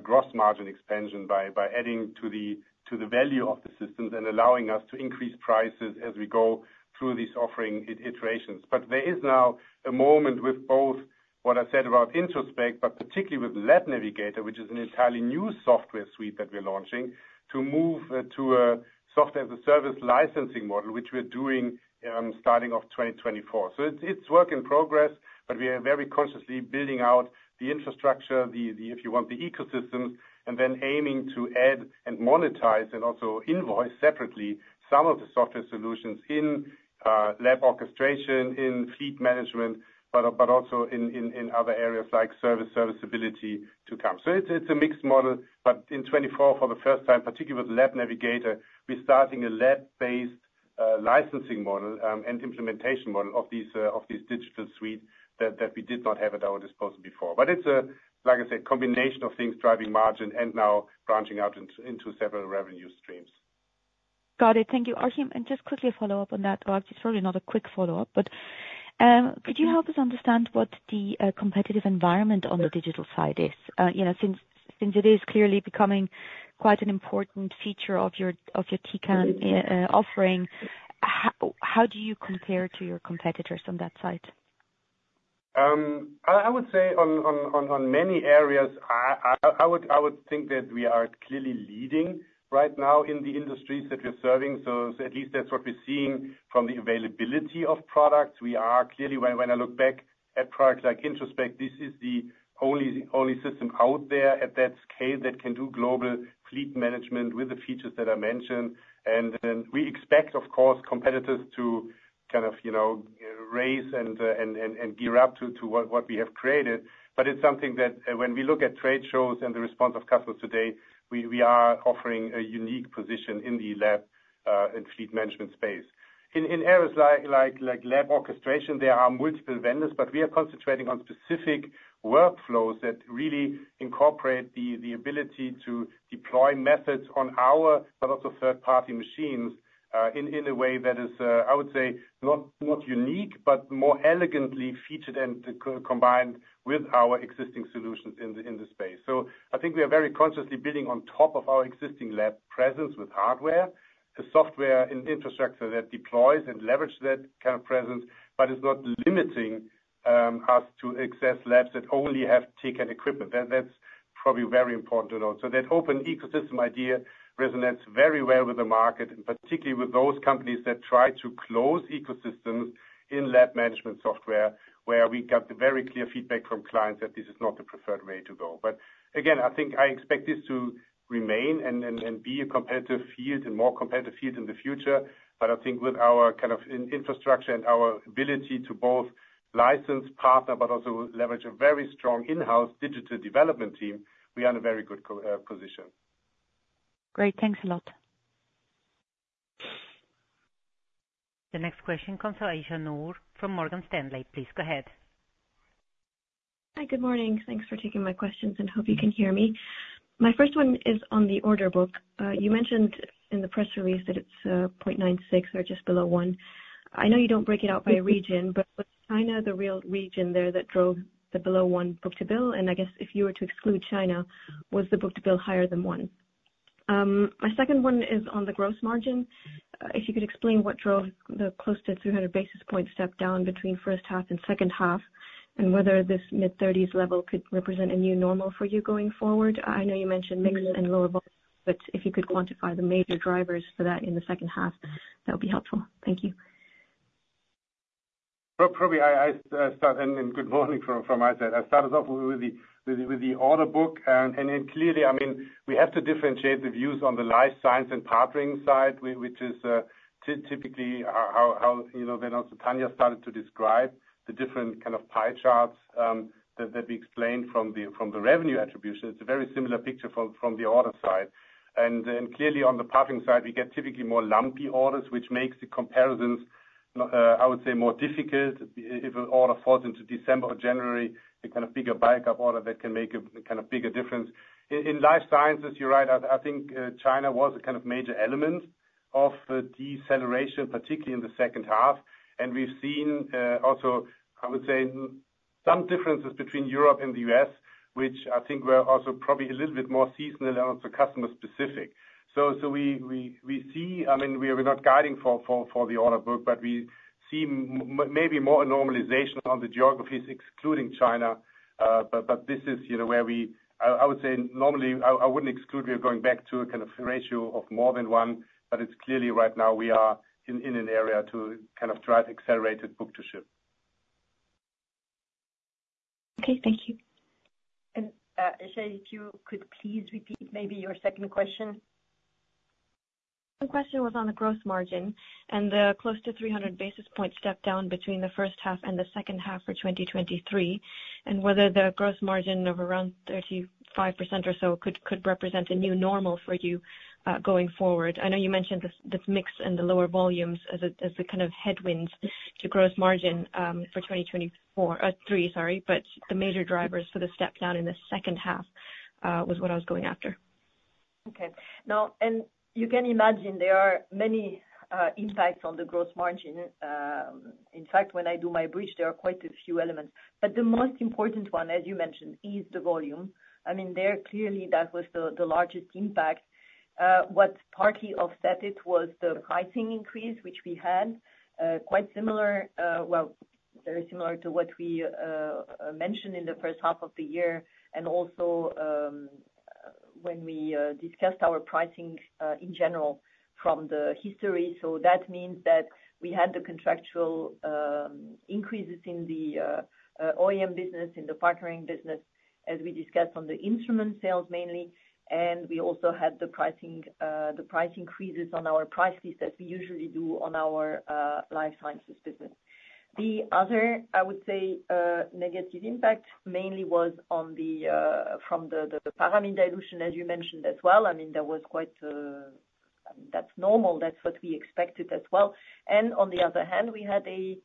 gross margin expansion by adding to the value of the systems and allowing us to increase prices as we go through these offering iterations. But there is now a moment with both, what I said about Introspect, but particularly with LabNavigator, which is an entirely new software suite that we're launching, to move to a software as a service licensing model, which we're doing, starting of 2024. So it's work in progress, but we are very consciously building out the infrastructure, the, if you want, the ecosystems, and then aiming to add and monetize, and also invoice separately, some of the software solutions in lab orchestration, in fleet management, but also in other areas like service, serviceability to come. So it's a mixed model, but in 2024, for the first time, particularly with LabNavigator, we're starting a lab-based licensing model and implementation model of this digital suite that we did not have at our disposal before. But it's a, like I said, combination of things driving margin and now branching out into several revenue streams. Got it. Thank you. Achim, and just quickly a follow-up on that, or it's probably not a quick follow-up, but, could you help us understand what the competitive environment on the digital side is? You know, since, since it is clearly becoming quite an important feature of your, of your Tecan, offering, how do you compare to your competitors on that side? I would say on many areas, I would think that we are clearly leading right now in the industries that we're serving. So at least that's what we're seeing from the availability of products. We are clearly... When I look back at products like Introspect, this is the only system out there at that scale that can do global fleet management with the features that I mentioned. And then we expect, of course, competitors to kind of, you know, raise and gear up to what we have created. But it's something that when we look at trade shows and the response of customers today, we are offering a unique position in the lab and fleet management space. In areas like lab orchestration, there are multiple vendors, but we are concentrating on specific workflows that really incorporate the ability to deploy methods on our, but also third-party machines, in a way that is, I would say, not unique, but more elegantly featured and combined with our existing solutions in the space. So I think we are very consciously building on top of our existing lab presence with hardware, the software and infrastructure that deploys and leverage that kind of presence, but it's not limiting us to access labs that only have Tecan equipment. That's probably very important to note. So that open ecosystem idea resonates very well with the market, and particularly with those companies that try to close ecosystems in lab management software, where we got the very clear feedback from clients that this is not the preferred way to go. But again, I think I expect this to remain and be a competitive field and more competitive field in the future. But I think with our kind of infrastructure and our ability to both license, partner, but also leverage a very strong in-house digital development team, we are in a very good position.... Great, thanks a lot. The next question comes from Aisyah Noor from Morgan Stanley. Please go ahead. Hi, good morning. Thanks for taking my questions and hope you can hear me. My first one is on the order book. You mentioned in the press release that it's 0.96 or just below 1. I know you don't break it out by region, but was China the real region there that drove the below 1 book-to-bill? And I guess if you were to exclude China, was the book-to-bill higher than 1? My second one is on the gross margin. If you could explain what drove the close to 300 basis points step down between first half and second half, and whether this mid-30s level could represent a new normal for you going forward. I know you mentioned mix and lower volume, but if you could quantify the major drivers for that in the second half, that would be helpful. Thank you. Probably I start, and good morning from my side. I'll start us off with the order book. And then clearly, I mean, we have to differentiate the views on the life science and partnering side, which is typically how you know, when also Tania started to describe the different kind of pie charts, that we explained from the revenue attribution. It's a very similar picture from the order side. And then clearly on the partnering side, we get typically more lumpy orders, which makes the comparisons, I would say, more difficult. If an order falls into December or January, a kind of bigger backup order, that can make a kind of bigger difference. In life sciences, you're right. I think China was a kind of major element of the deceleration, particularly in the second half. And we've seen also, I would say, some differences between Europe and the U.S., which I think were also probably a little bit more seasonal and also customer specific. So we see... I mean, we are not guiding for the order book, but we see maybe more a normalization on the geographies, excluding China. But this is, you know, where we—I would say normally, I wouldn't exclude we are going back to a kind of ratio of more than one, but it's clearly right now, we are in an area to kind of drive accelerated book to ship. Okay, thank you. Aisyah, if you could please repeat maybe your second question? The question was on the gross margin and the close to 300 basis point step down between the first half and the second half for 2023, and whether the gross margin of around 35% or so could represent a new normal for you going forward. I know you mentioned this mix and the lower volumes as the kind of headwinds to gross margin for 2023, but the major drivers for the step down in the second half was what I was going after. Okay. Now, and you can imagine there are many insights on the gross margin. In fact, when I do my bridge, there are quite a few elements. But the most important one, as you mentioned, is the volume. I mean, there, clearly, that was the largest impact. What partly offset it was the pricing increase, which we had quite similar, well, very similar to what we mentioned in the first half of the year, and also, when we discussed our pricing in general from the history. So that means that we had the contractual increases in the OEM business, in the partnering business, as we discussed on the instrument sales mainly. And we also had the pricing, the price increases on our price list, as we usually do on our life sciences business. The other, I would say, negative impact mainly was on the, from the, the Paramit dilution, as you mentioned as well. I mean, that was quite, that's normal. That's what we expected as well. And on the other hand, we had a,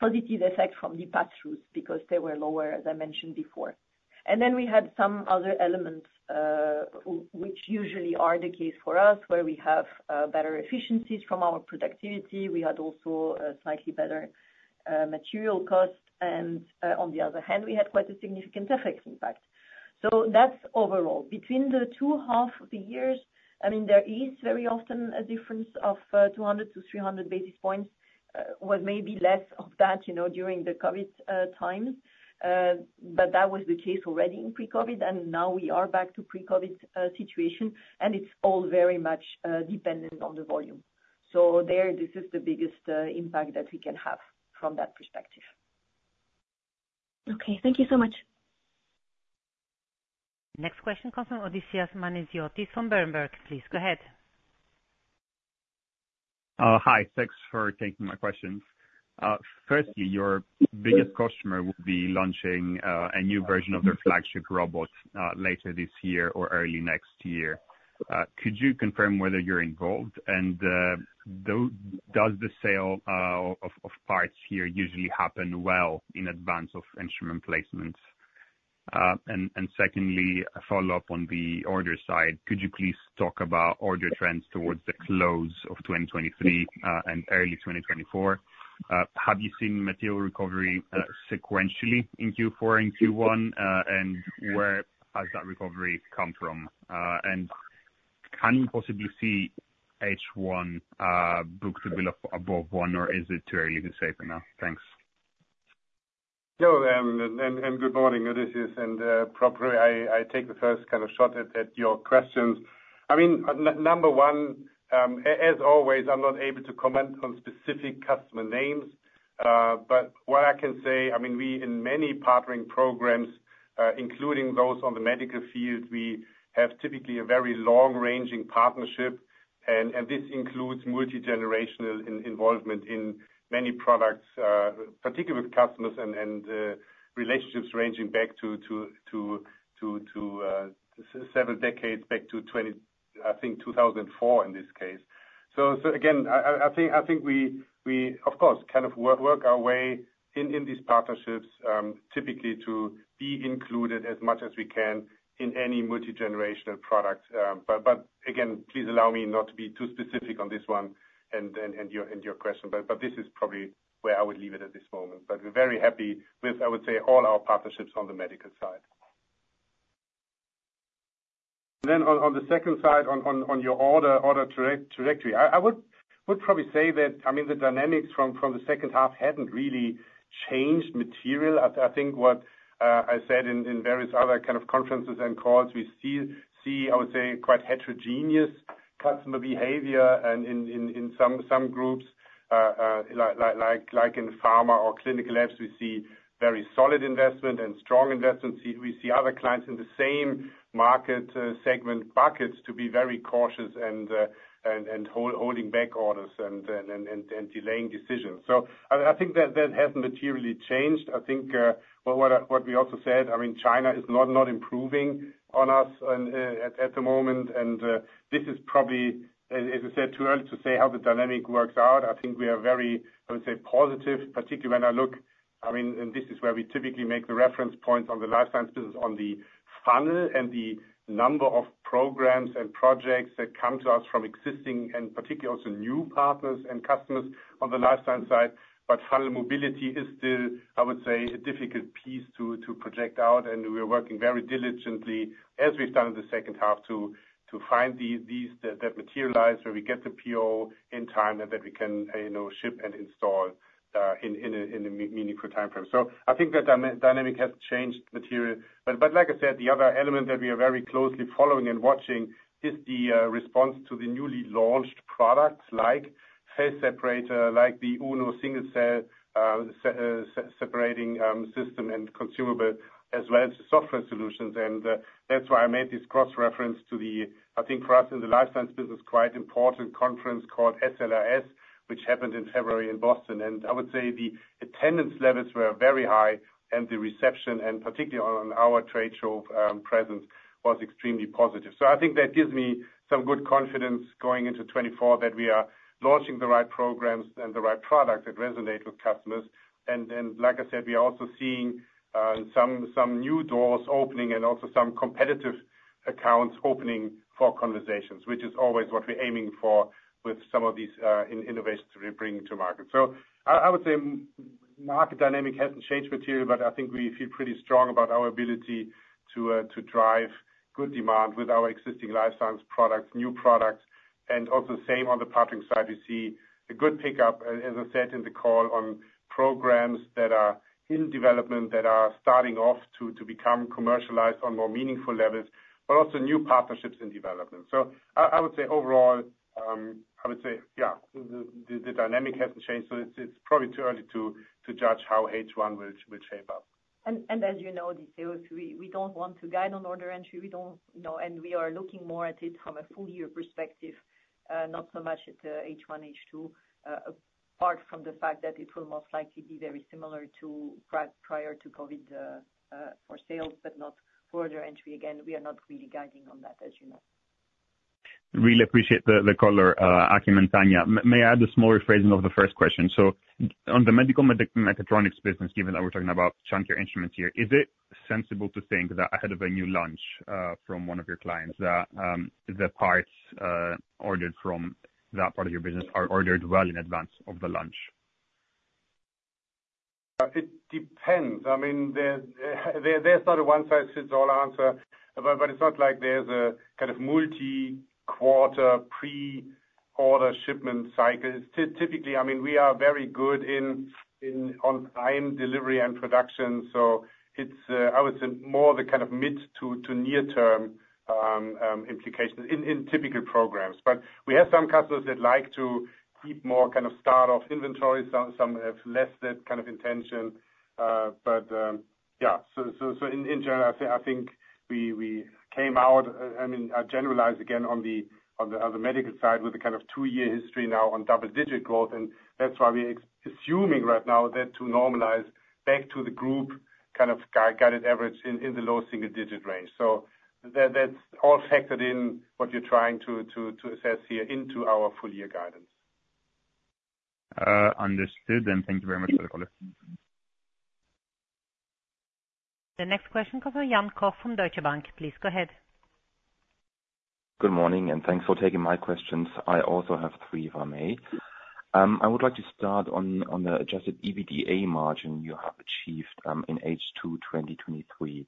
positive effect from the pass-throughs, because they were lower, as I mentioned before. And then we had some other elements, which usually are the case for us, where we have, better efficiencies from our productivity. We had also a slightly better, material cost, and, on the other hand, we had quite a significant FX impact. So that's overall. Between the two half of the years, I mean, there is very often a difference of, 200-300 basis points, or maybe less of that, you know, during the COVID times. But that was the case already in pre-COVID, and now we are back to pre-COVID situation, and it's all very much dependent on the volume. So there, this is the biggest impact that we can have from that perspective. Okay, thank you so much. Next question comes from Odysseas Manesiotis from Berenberg. Please, go ahead. Hi, thanks for taking my questions. Firstly, your biggest customer will be launching a new version of their flagship robot later this year or early next year. Could you confirm whether you're involved? And does the sale of parts here usually happen well in advance of instrument placements? And secondly, a follow-up on the order side, could you please talk about order trends towards the close of 2023 and early 2024? Have you seen material recovery sequentially in Q4 and Q1, and where has that recovery come from? And can you possibly see H1 book-to-bill above one, or is it too early to say for now? Thanks. Sure, and good morning, Odysseas, and probably I take the first kind of shot at your questions. I mean, number one, as always, I'm not able to comment on specific customer names, but what I can say, I mean, we, in many partnering programs, including those on the medical field, we have typically a very long-ranging partnership, and this includes multigenerational involvement in many products, particularly with customers and relationships ranging back to several decades back to 2004, in this case. So, again, I think we, of course, kind of work our way in these partnerships, typically to be included as much as we can in any multigenerational product. But again, please allow me not to be too specific on this one and your question. But this is probably where I would leave it at this moment. But we're very happy with, I would say, all our partnerships on the medical side. Then on the second side, on your order direct trajectory, I would probably say that, I mean, the dynamics from the second half hadn't really changed material. I think what I said in various other kind of conferences and calls, we still see, I would say, quite heterogeneous customer behavior and in some groups, like in pharma or clinical labs, we see very solid investment and strong investment. We see other clients in the same market segment buckets to be very cautious and holding back orders and delaying decisions. So I think that hasn't materially changed. I think but what we also said, I mean, China is not improving on us and at the moment. And this is probably, as I said, too early to say how the dynamic works out. I think we are very, I would say, positive, particularly when I look. I mean, and this is where we typically make the reference points on the life sciences, on the funnel and the number of programs and projects that come to us from existing and particularly also new partners and customers on the life science side. But funnel mobility is still, I would say, a difficult piece to project out, and we are working very diligently, as we've done in the second half, to find these that materialize, where we get the PO in time and that we can, you know, ship and install in a meaningful timeframe. So I think the dynamic has changed materially. But like I said, the other element that we are very closely following and watching is the response to the newly launched products, like Phase Separator, like the Uno single cell separating system and consumable as well as the software solutions. And that's why I made this cross-reference to the, I think, for us in the life science business, quite important conference called SLAS, which happened in February in Boston. I would say the attendance levels were very high, and the reception, and particularly on our trade show presence, was extremely positive. I think that gives me some good confidence going into 2024, that we are launching the right programs and the right products that resonate with customers. Like I said, we are also seeing some new doors opening and also some competitive accounts opening for conversations, which is always what we're aiming for with some of these innovations we bring to market. I would say market dynamic hasn't changed material, but I think we feel pretty strong about our ability to drive good demand with our existing life science products, new products, and also same on the partnering side. We see a good pickup, as I said in the call, on programs that are in development, that are starting off to become commercialized on more meaningful levels, but also new partnerships in development. So I would say overall, yeah, the dynamic hasn't changed, so it's probably too early to judge how H1 will shape up. As you know, we don't want to guide on order entry. We don't know, and we are looking more at it from a full year perspective, not so much at the H1, H2, apart from the fact that it will most likely be very similar to prior to COVID, for sales, but not for order entry. Again, we are not really guiding on that, as you know. Really appreciate the color, Achim and Tania. May I add a small rephrasing of the first question? So on the medical mechatronics business, given that we're talking about chunkier instruments here, is it sensible to think that ahead of a new launch from one of your clients, that the parts ordered from that part of your business are ordered well in advance of the launch? It depends. I mean, there, there’s not a one-size-fits-all answer, but it’s not like there’s a kind of multi-quarter pre-order shipment cycle. Typically, I mean, we are very good in on-time delivery and production, so it’s, I would say more the kind of mid to near term implications in typical programs. But we have some customers that like to keep more kind of start-off inventory. Some have less that kind of intention, but yeah, so in general, I think we came out, I mean, I generalize again on the medical side with a kind of two-year history now on double-digit growth, and that’s why we’re assuming right now that to normalize back to the group, kind of guided average in the low single digit range. So that, that's all factored in what you're trying to assess here into our full year guidance. Understood, and thank you very much for the call. The next question comes from Jan Koch from Deutsche Bank. Please go ahead. Good morning, and thanks for taking my questions. I also have three from my end. I would like to start on the Adjusted EBITDA margin you have achieved in H2 2023.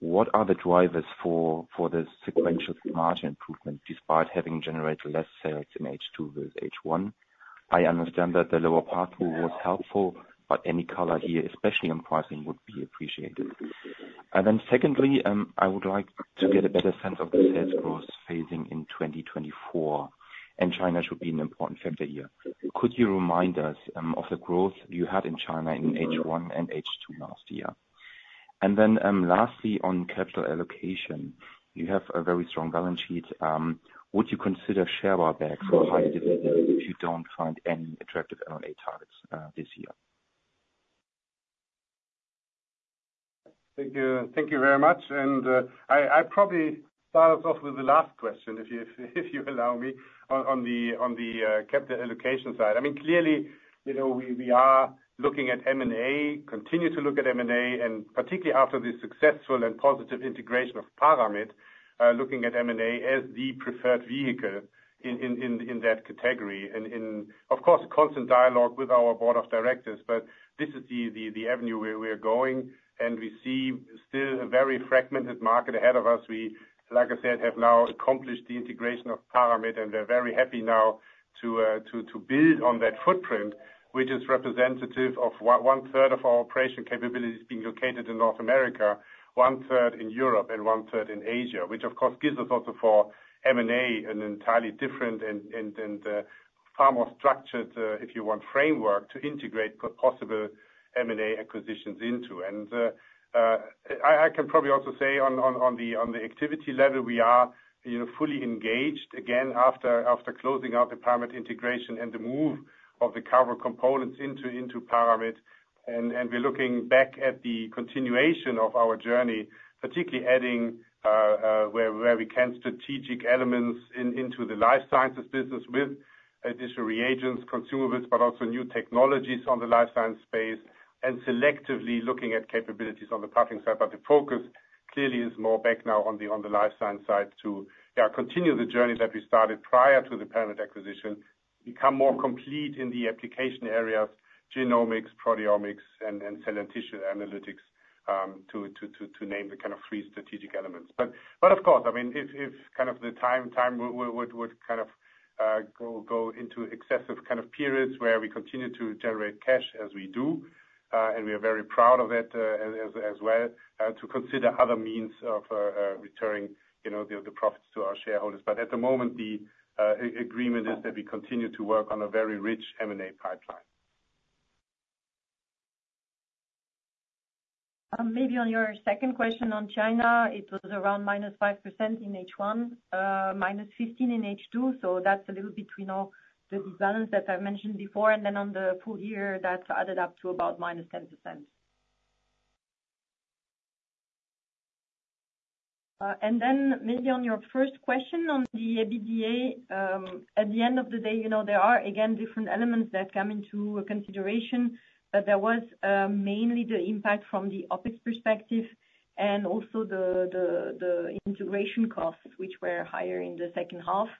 What are the drivers for this sequential margin improvement, despite having generated less sales in H2 with H1? I understand that the lower variable pool was helpful, but any color here, especially on pricing, would be appreciated. Then secondly, I would like to get a better sense of the sales growth phasing in 2024, and China should be an important factor here. Could you remind us of the growth you had in China in H1 and H2 last year? Then lastly, on capital allocation, you have a very strong balance sheet. Would you consider share buybacks for higher dividends if you don't find any attractive M&A targets this year? Thank you, thank you very much. And I probably start off with the last question, if you allow me on the capital allocation side. I mean, clearly, you know, we are looking at M&A, continue to look at M&A, and particularly after the successful and positive integration of Paramit, looking at M&A as the preferred vehicle in that category. And, of course, in constant dialogue with our Board of Directors, but this is the avenue where we're going, and we see still a very fragmented market ahead of us. We, like I said, have now accomplished the integration of Paramit, and we're very happy now to build on that footprint, which is representative of one third of our operation capabilities being located in North America, one third in Europe, and one third in Asia. Which, of course, gives us also for M&A, an entirely different and far more structured, if you want, framework to integrate possible M&A acquisitions into. I can probably also say on the activity level, we are, you know, fully engaged again after closing out the Paramit integration and the move of the Cavro components into Paramit. And we're looking back at the continuation of our journey, particularly adding where we can strategic elements into the life sciences business with additional reagents, consumables, but also new technologies on the life science space, and selectively looking at capabilities on the partnering side. But the focus clearly is more back now on the life science side to yeah continue the journey that we started prior to the Paramit acquisition. Become more complete in the application areas, genomics, proteomics, and cell and tissue analytics, to name the kind of three strategic elements. But of course, I mean, if kind of the time would kind of go into excessive kind of periods where we continue to generate cash as we do, and we are very proud of it, as well, to consider other means of returning, you know, the profits to our shareholders. But at the moment, the agreement is that we continue to work on a very rich M&A pipeline. Maybe on your second question on China, it was around -5% in H1, minus 15% in H2, so that's a little bit, you know, the balance that I mentioned before. Then on the full year, that added up to about -10%. Then maybe on your first question on the EBITDA, at the end of the day, you know, there are, again, different elements that come into consideration, but there was mainly the impact from the OpEx perspective and also the integration costs, which were higher in the second half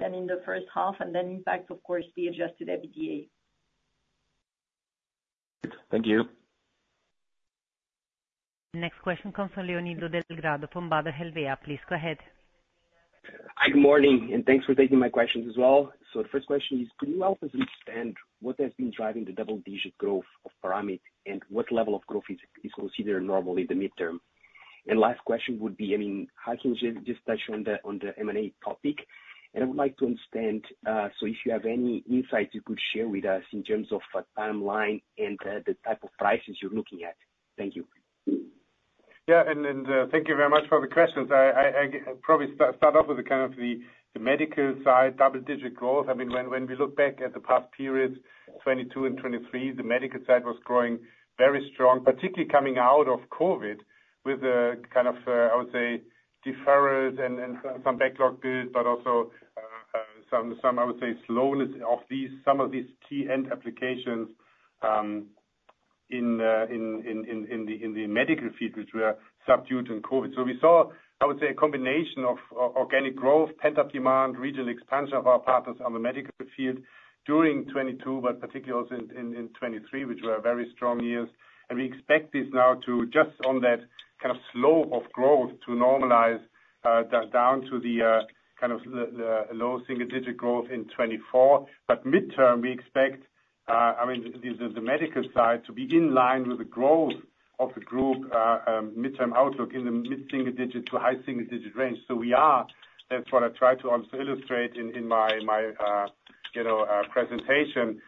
than in the first half, and then impact, of course, the Adjusted EBITDA. Thank you. Next question comes from Leonildo Delgado from Baader Helvea. Please go ahead. Hi, good morning, and thanks for taking my questions as well. So the first question is, could you help us understand what has been driving the double-digit growth of Paramit? And what level of growth is, is considered normal in the midterm? And last question would be, I mean, how can you just touch on the, on the M&A topic? And I would like to understand, so if you have any insights you could share with us in terms of a timeline and the, the type of prices you're looking at. Thank you. Yeah, thank you very much for the questions. I probably start off with the kind of the medical side, double-digit growth. I mean, when we look back at the past periods, 2022 and 2023, the medical side was growing very strong, particularly coming out of COVID with a kind of, I would say, deferred and some backlog build, but also some, I would say, slowness of some of these key end applications in the medical field, which were subdued in COVID. So we saw, I would say, a combination of organic growth, pent-up demand, regional expansion of our partners on the medical field during 2022, but particularly also in 2023, which were very strong years. And we expect this now to just on that kind of slope of growth, to normalize, down to the kind of the low single digit growth in 2024. But midterm, we expect, I mean, the medical side to be in line with the growth of the group, midterm outlook in the mid-single digit to high single digit range. So we are, that's what I tried to also illustrate in my, you know, presentation,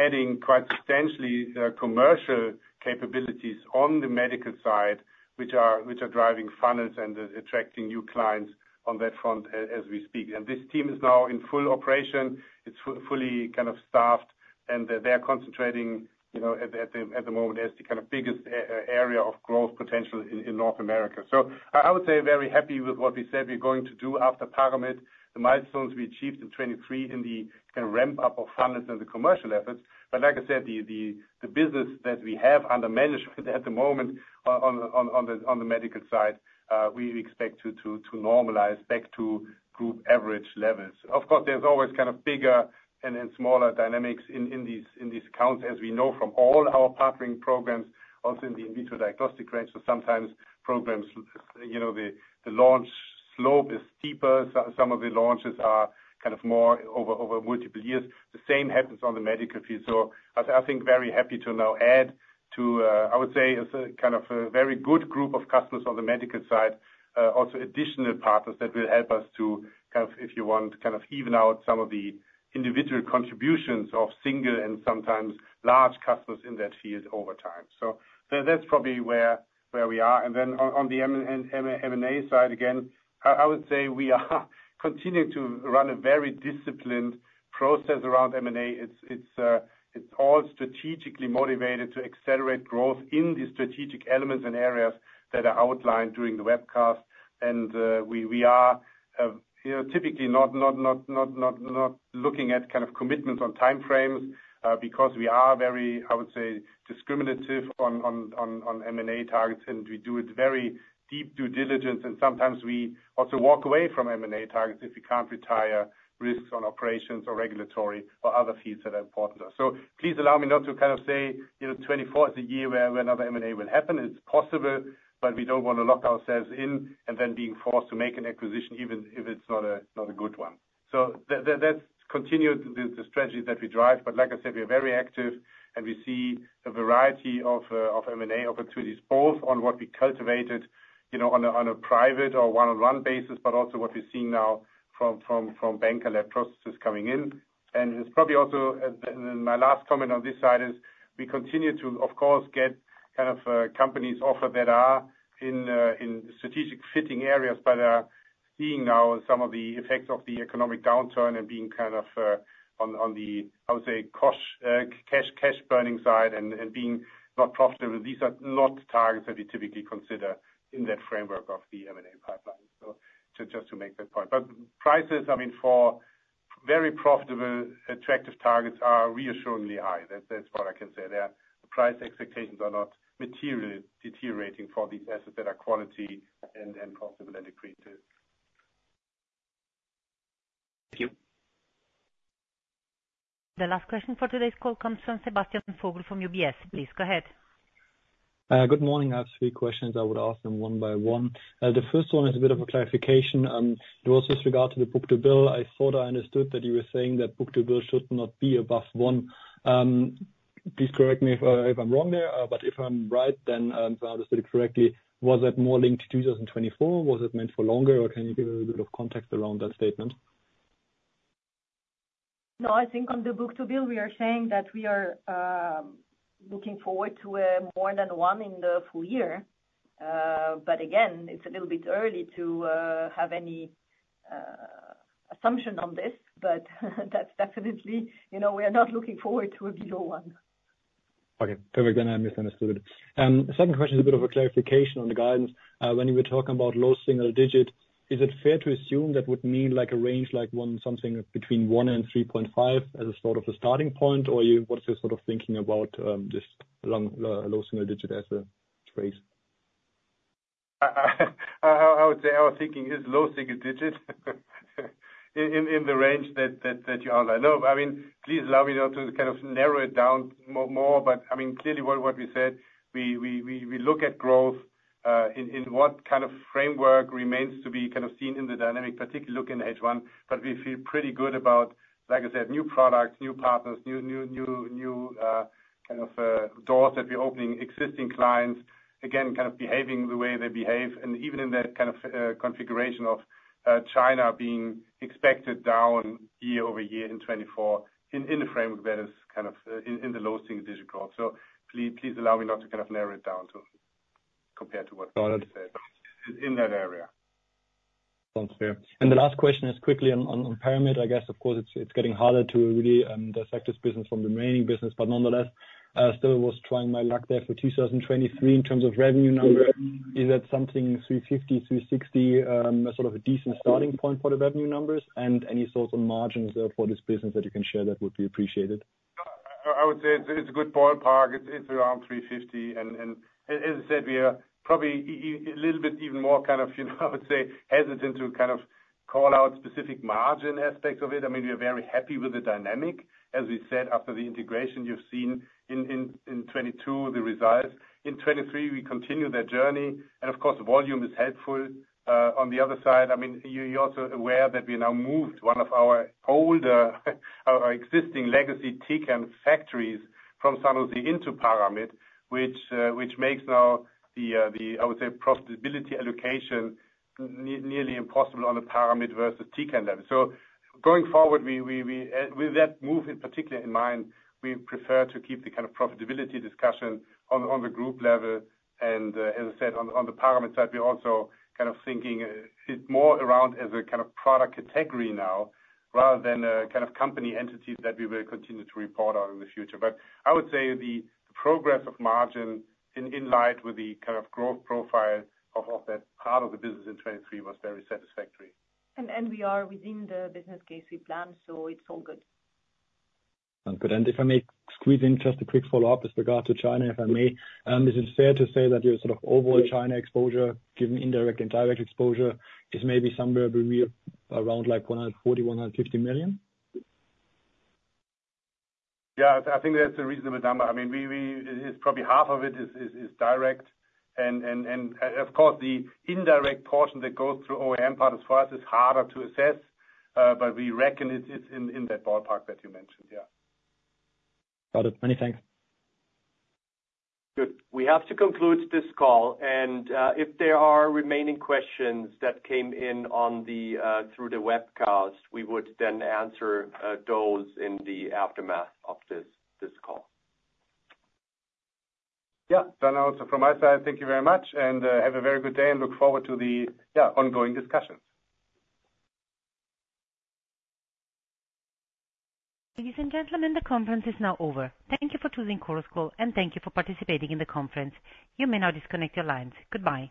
adding quite substantially commercial capabilities on the medical side, which are driving funnels and attracting new clients on that front as we speak. And this team is now in full operation. It's fully kind of staffed, and they're concentrating, you know, at the moment, as the kind of biggest area of growth potential in North America. So I would say very happy with what we said we're going to do after Paramit, the milestones we achieved in 2023 in the kind of ramp-up of funnels and the commercial efforts. But like I said, the business that we have under management at the moment on the medical side, we expect to normalize back to group average levels. Of course, there's always kind of bigger and smaller dynamics in these counts, as we know from all our partnering programs, also in the in vitro diagnostic range. So sometimes programs, you know, the launch slope is steeper. So some of the launches are kind of more over multiple years. The same happens on the medical field. But I think very happy to now add to, I would say, it's a kind of a very good group of customers on the medical side. Also additional partners that will help us to kind of, if you want, kind of even out some of the individual contributions of single and sometimes large customers in that field over time. So that's probably where we are. And then on the M&A side, again, I would say we are continuing to run a very disciplined process around M&A. It's all strategically motivated to accelerate growth in the strategic elements and areas that are outlined during the webcast. We are, you know, typically not looking at kind of commitments on time frames, because we are very, I would say, discriminative on M&A targets, and we do it very deep due diligence. Sometimes we also walk away from M&A targets if we can't retire risks on operations or regulatory or other fees that are important to us. Please allow me now to kind of say, you know, 2024 is a year where another M&A will happen. It's possible, but we don't want to lock ourselves in, and then being forced to make an acquisition, even if it's not a good one. That's continued the strategy that we drive. But like I said, we are very active, and we see a variety of M&A opportunities, both on what we cultivated, you know, on a private or one-on-one basis, but also what we're seeing now from banker-led processes coming in. And it's probably also, and then my last comment on this side is, we continue to, of course, get kind of companies offer that are in strategic fitting areas, but are seeing now some of the effects of the economic downturn and being kind of on the, I would say, cost cash burning side and being not profitable. These are not targets that we typically consider in that framework of the M&A pipeline. So just to make that point. But prices, I mean, for very profitable, attractive targets, are reassuringly high. That, that's what I can say. Their price expectations are not materially deteriorating for these assets that are quality and possibly accretive. Thank you. The last question for today's call comes from Sebastian Vogel from UBS. Please go ahead. Good morning. I have three questions. I would ask them one by one. The first one is a bit of a clarification. It was with regard to the book-to-bill. I thought I understood that you were saying that book-to-bill should not be above one. Please correct me if I'm wrong there, but if I'm right, then, if I understood it correctly, was that more linked to 2024? Was it meant for longer, or can you give a little bit of context around that statement? No, I think on the book-to-bill, we are saying that we are looking forward to more than one in the full year. But again, it's a little bit early to have any assumption on this. But that's definitely, you know, we are not looking forward to a below one. Okay. Perfect, then I misunderstood. The second question is a bit of a clarification on the guidance. When you were talking about low single digit, is it fair to assume that would mean like a range, like one, something between one and 3.5 as a sort of a starting point, or you, what's your sort of thinking about, just long, low single digit as a phrase? I would say our thinking is low single digits, in the range that you outlined. No, I mean, please allow me now to kind of narrow it down more, but I mean, clearly what we said, we look at growth, in what kind of framework remains to be kind of seen in the dynamic, particularly looking at H1. But we feel pretty good about, like I said, new products, new partners, new doors that we're opening, existing clients, again, kind of behaving the way they behave. And even in that kind of configuration of China being expected down year-over-year in 2024, in the framework that is kind of in the low single digit growth. Please, please allow me now to kind of narrow it down to, compared to what you said. Got it. In that area. Sounds clear. And the last question is quickly on Paramit. I guess, of course, it's getting harder to really dissect this business from the remaining business, but nonetheless, I still was trying my luck there for 2023 in terms of revenue numbers. Is that something, 350-360, sort of a decent starting point for the revenue numbers? And any thoughts on margins for this business that you can share, that would be appreciated. I would say it's a good ballpark. It's around 350, and as I said, we are probably a little bit even more kind of, you know, I would say, hesitant to kind of call out specific margin aspects of it. I mean, we are very happy with the dynamic. As we said, after the integration, you've seen in 2022, the results. In 2023, we continue that journey, and of course, volume is helpful. On the other side, I mean, you, you're also aware that we now moved one of our older, our existing legacy Tecan factories from San Jose into Paramit, which makes now the, the, I would say, profitability allocation nearly impossible on a Paramit versus Tecan level. So going forward, with that move in particular in mind, we prefer to keep the kind of profitability discussion on the group level, and as I said, on the Paramit side, we're also kind of thinking it more around as a kind of product category now, rather than a kind of company entities that we will continue to report on in the future. But I would say the progress of margin in line with the kind of growth profile of that part of the business in 2023 was very satisfactory. We are within the business case we planned, so it's all good. Sound good. And if I may squeeze in just a quick follow-up with regard to China, if I may. Is it fair to say that your sort of overall China exposure, given indirect and direct exposure, is maybe somewhere around, like, 140 million-150 million? Yeah, I think that's a reasonable number. I mean, we... It's probably half of it is direct. And of course, the indirect portion that goes through OEM part, as far as it's harder to assess, but we reckon it's in that ballpark that you mentioned. Yeah. Got it. Many thanks. Good. We have to conclude this call, and, if there are remaining questions that came in on the, through the webcast, we would then answer, those in the aftermath of this call. Yeah. Then also from my side, thank you very much, and have a very good day and look forward to the, yeah, ongoing discussions. Ladies and gentlemen, the conference is now over. Thank you for choosing Chorus Call, and thank you for participating in the conference. You may now disconnect your lines. Goodbye.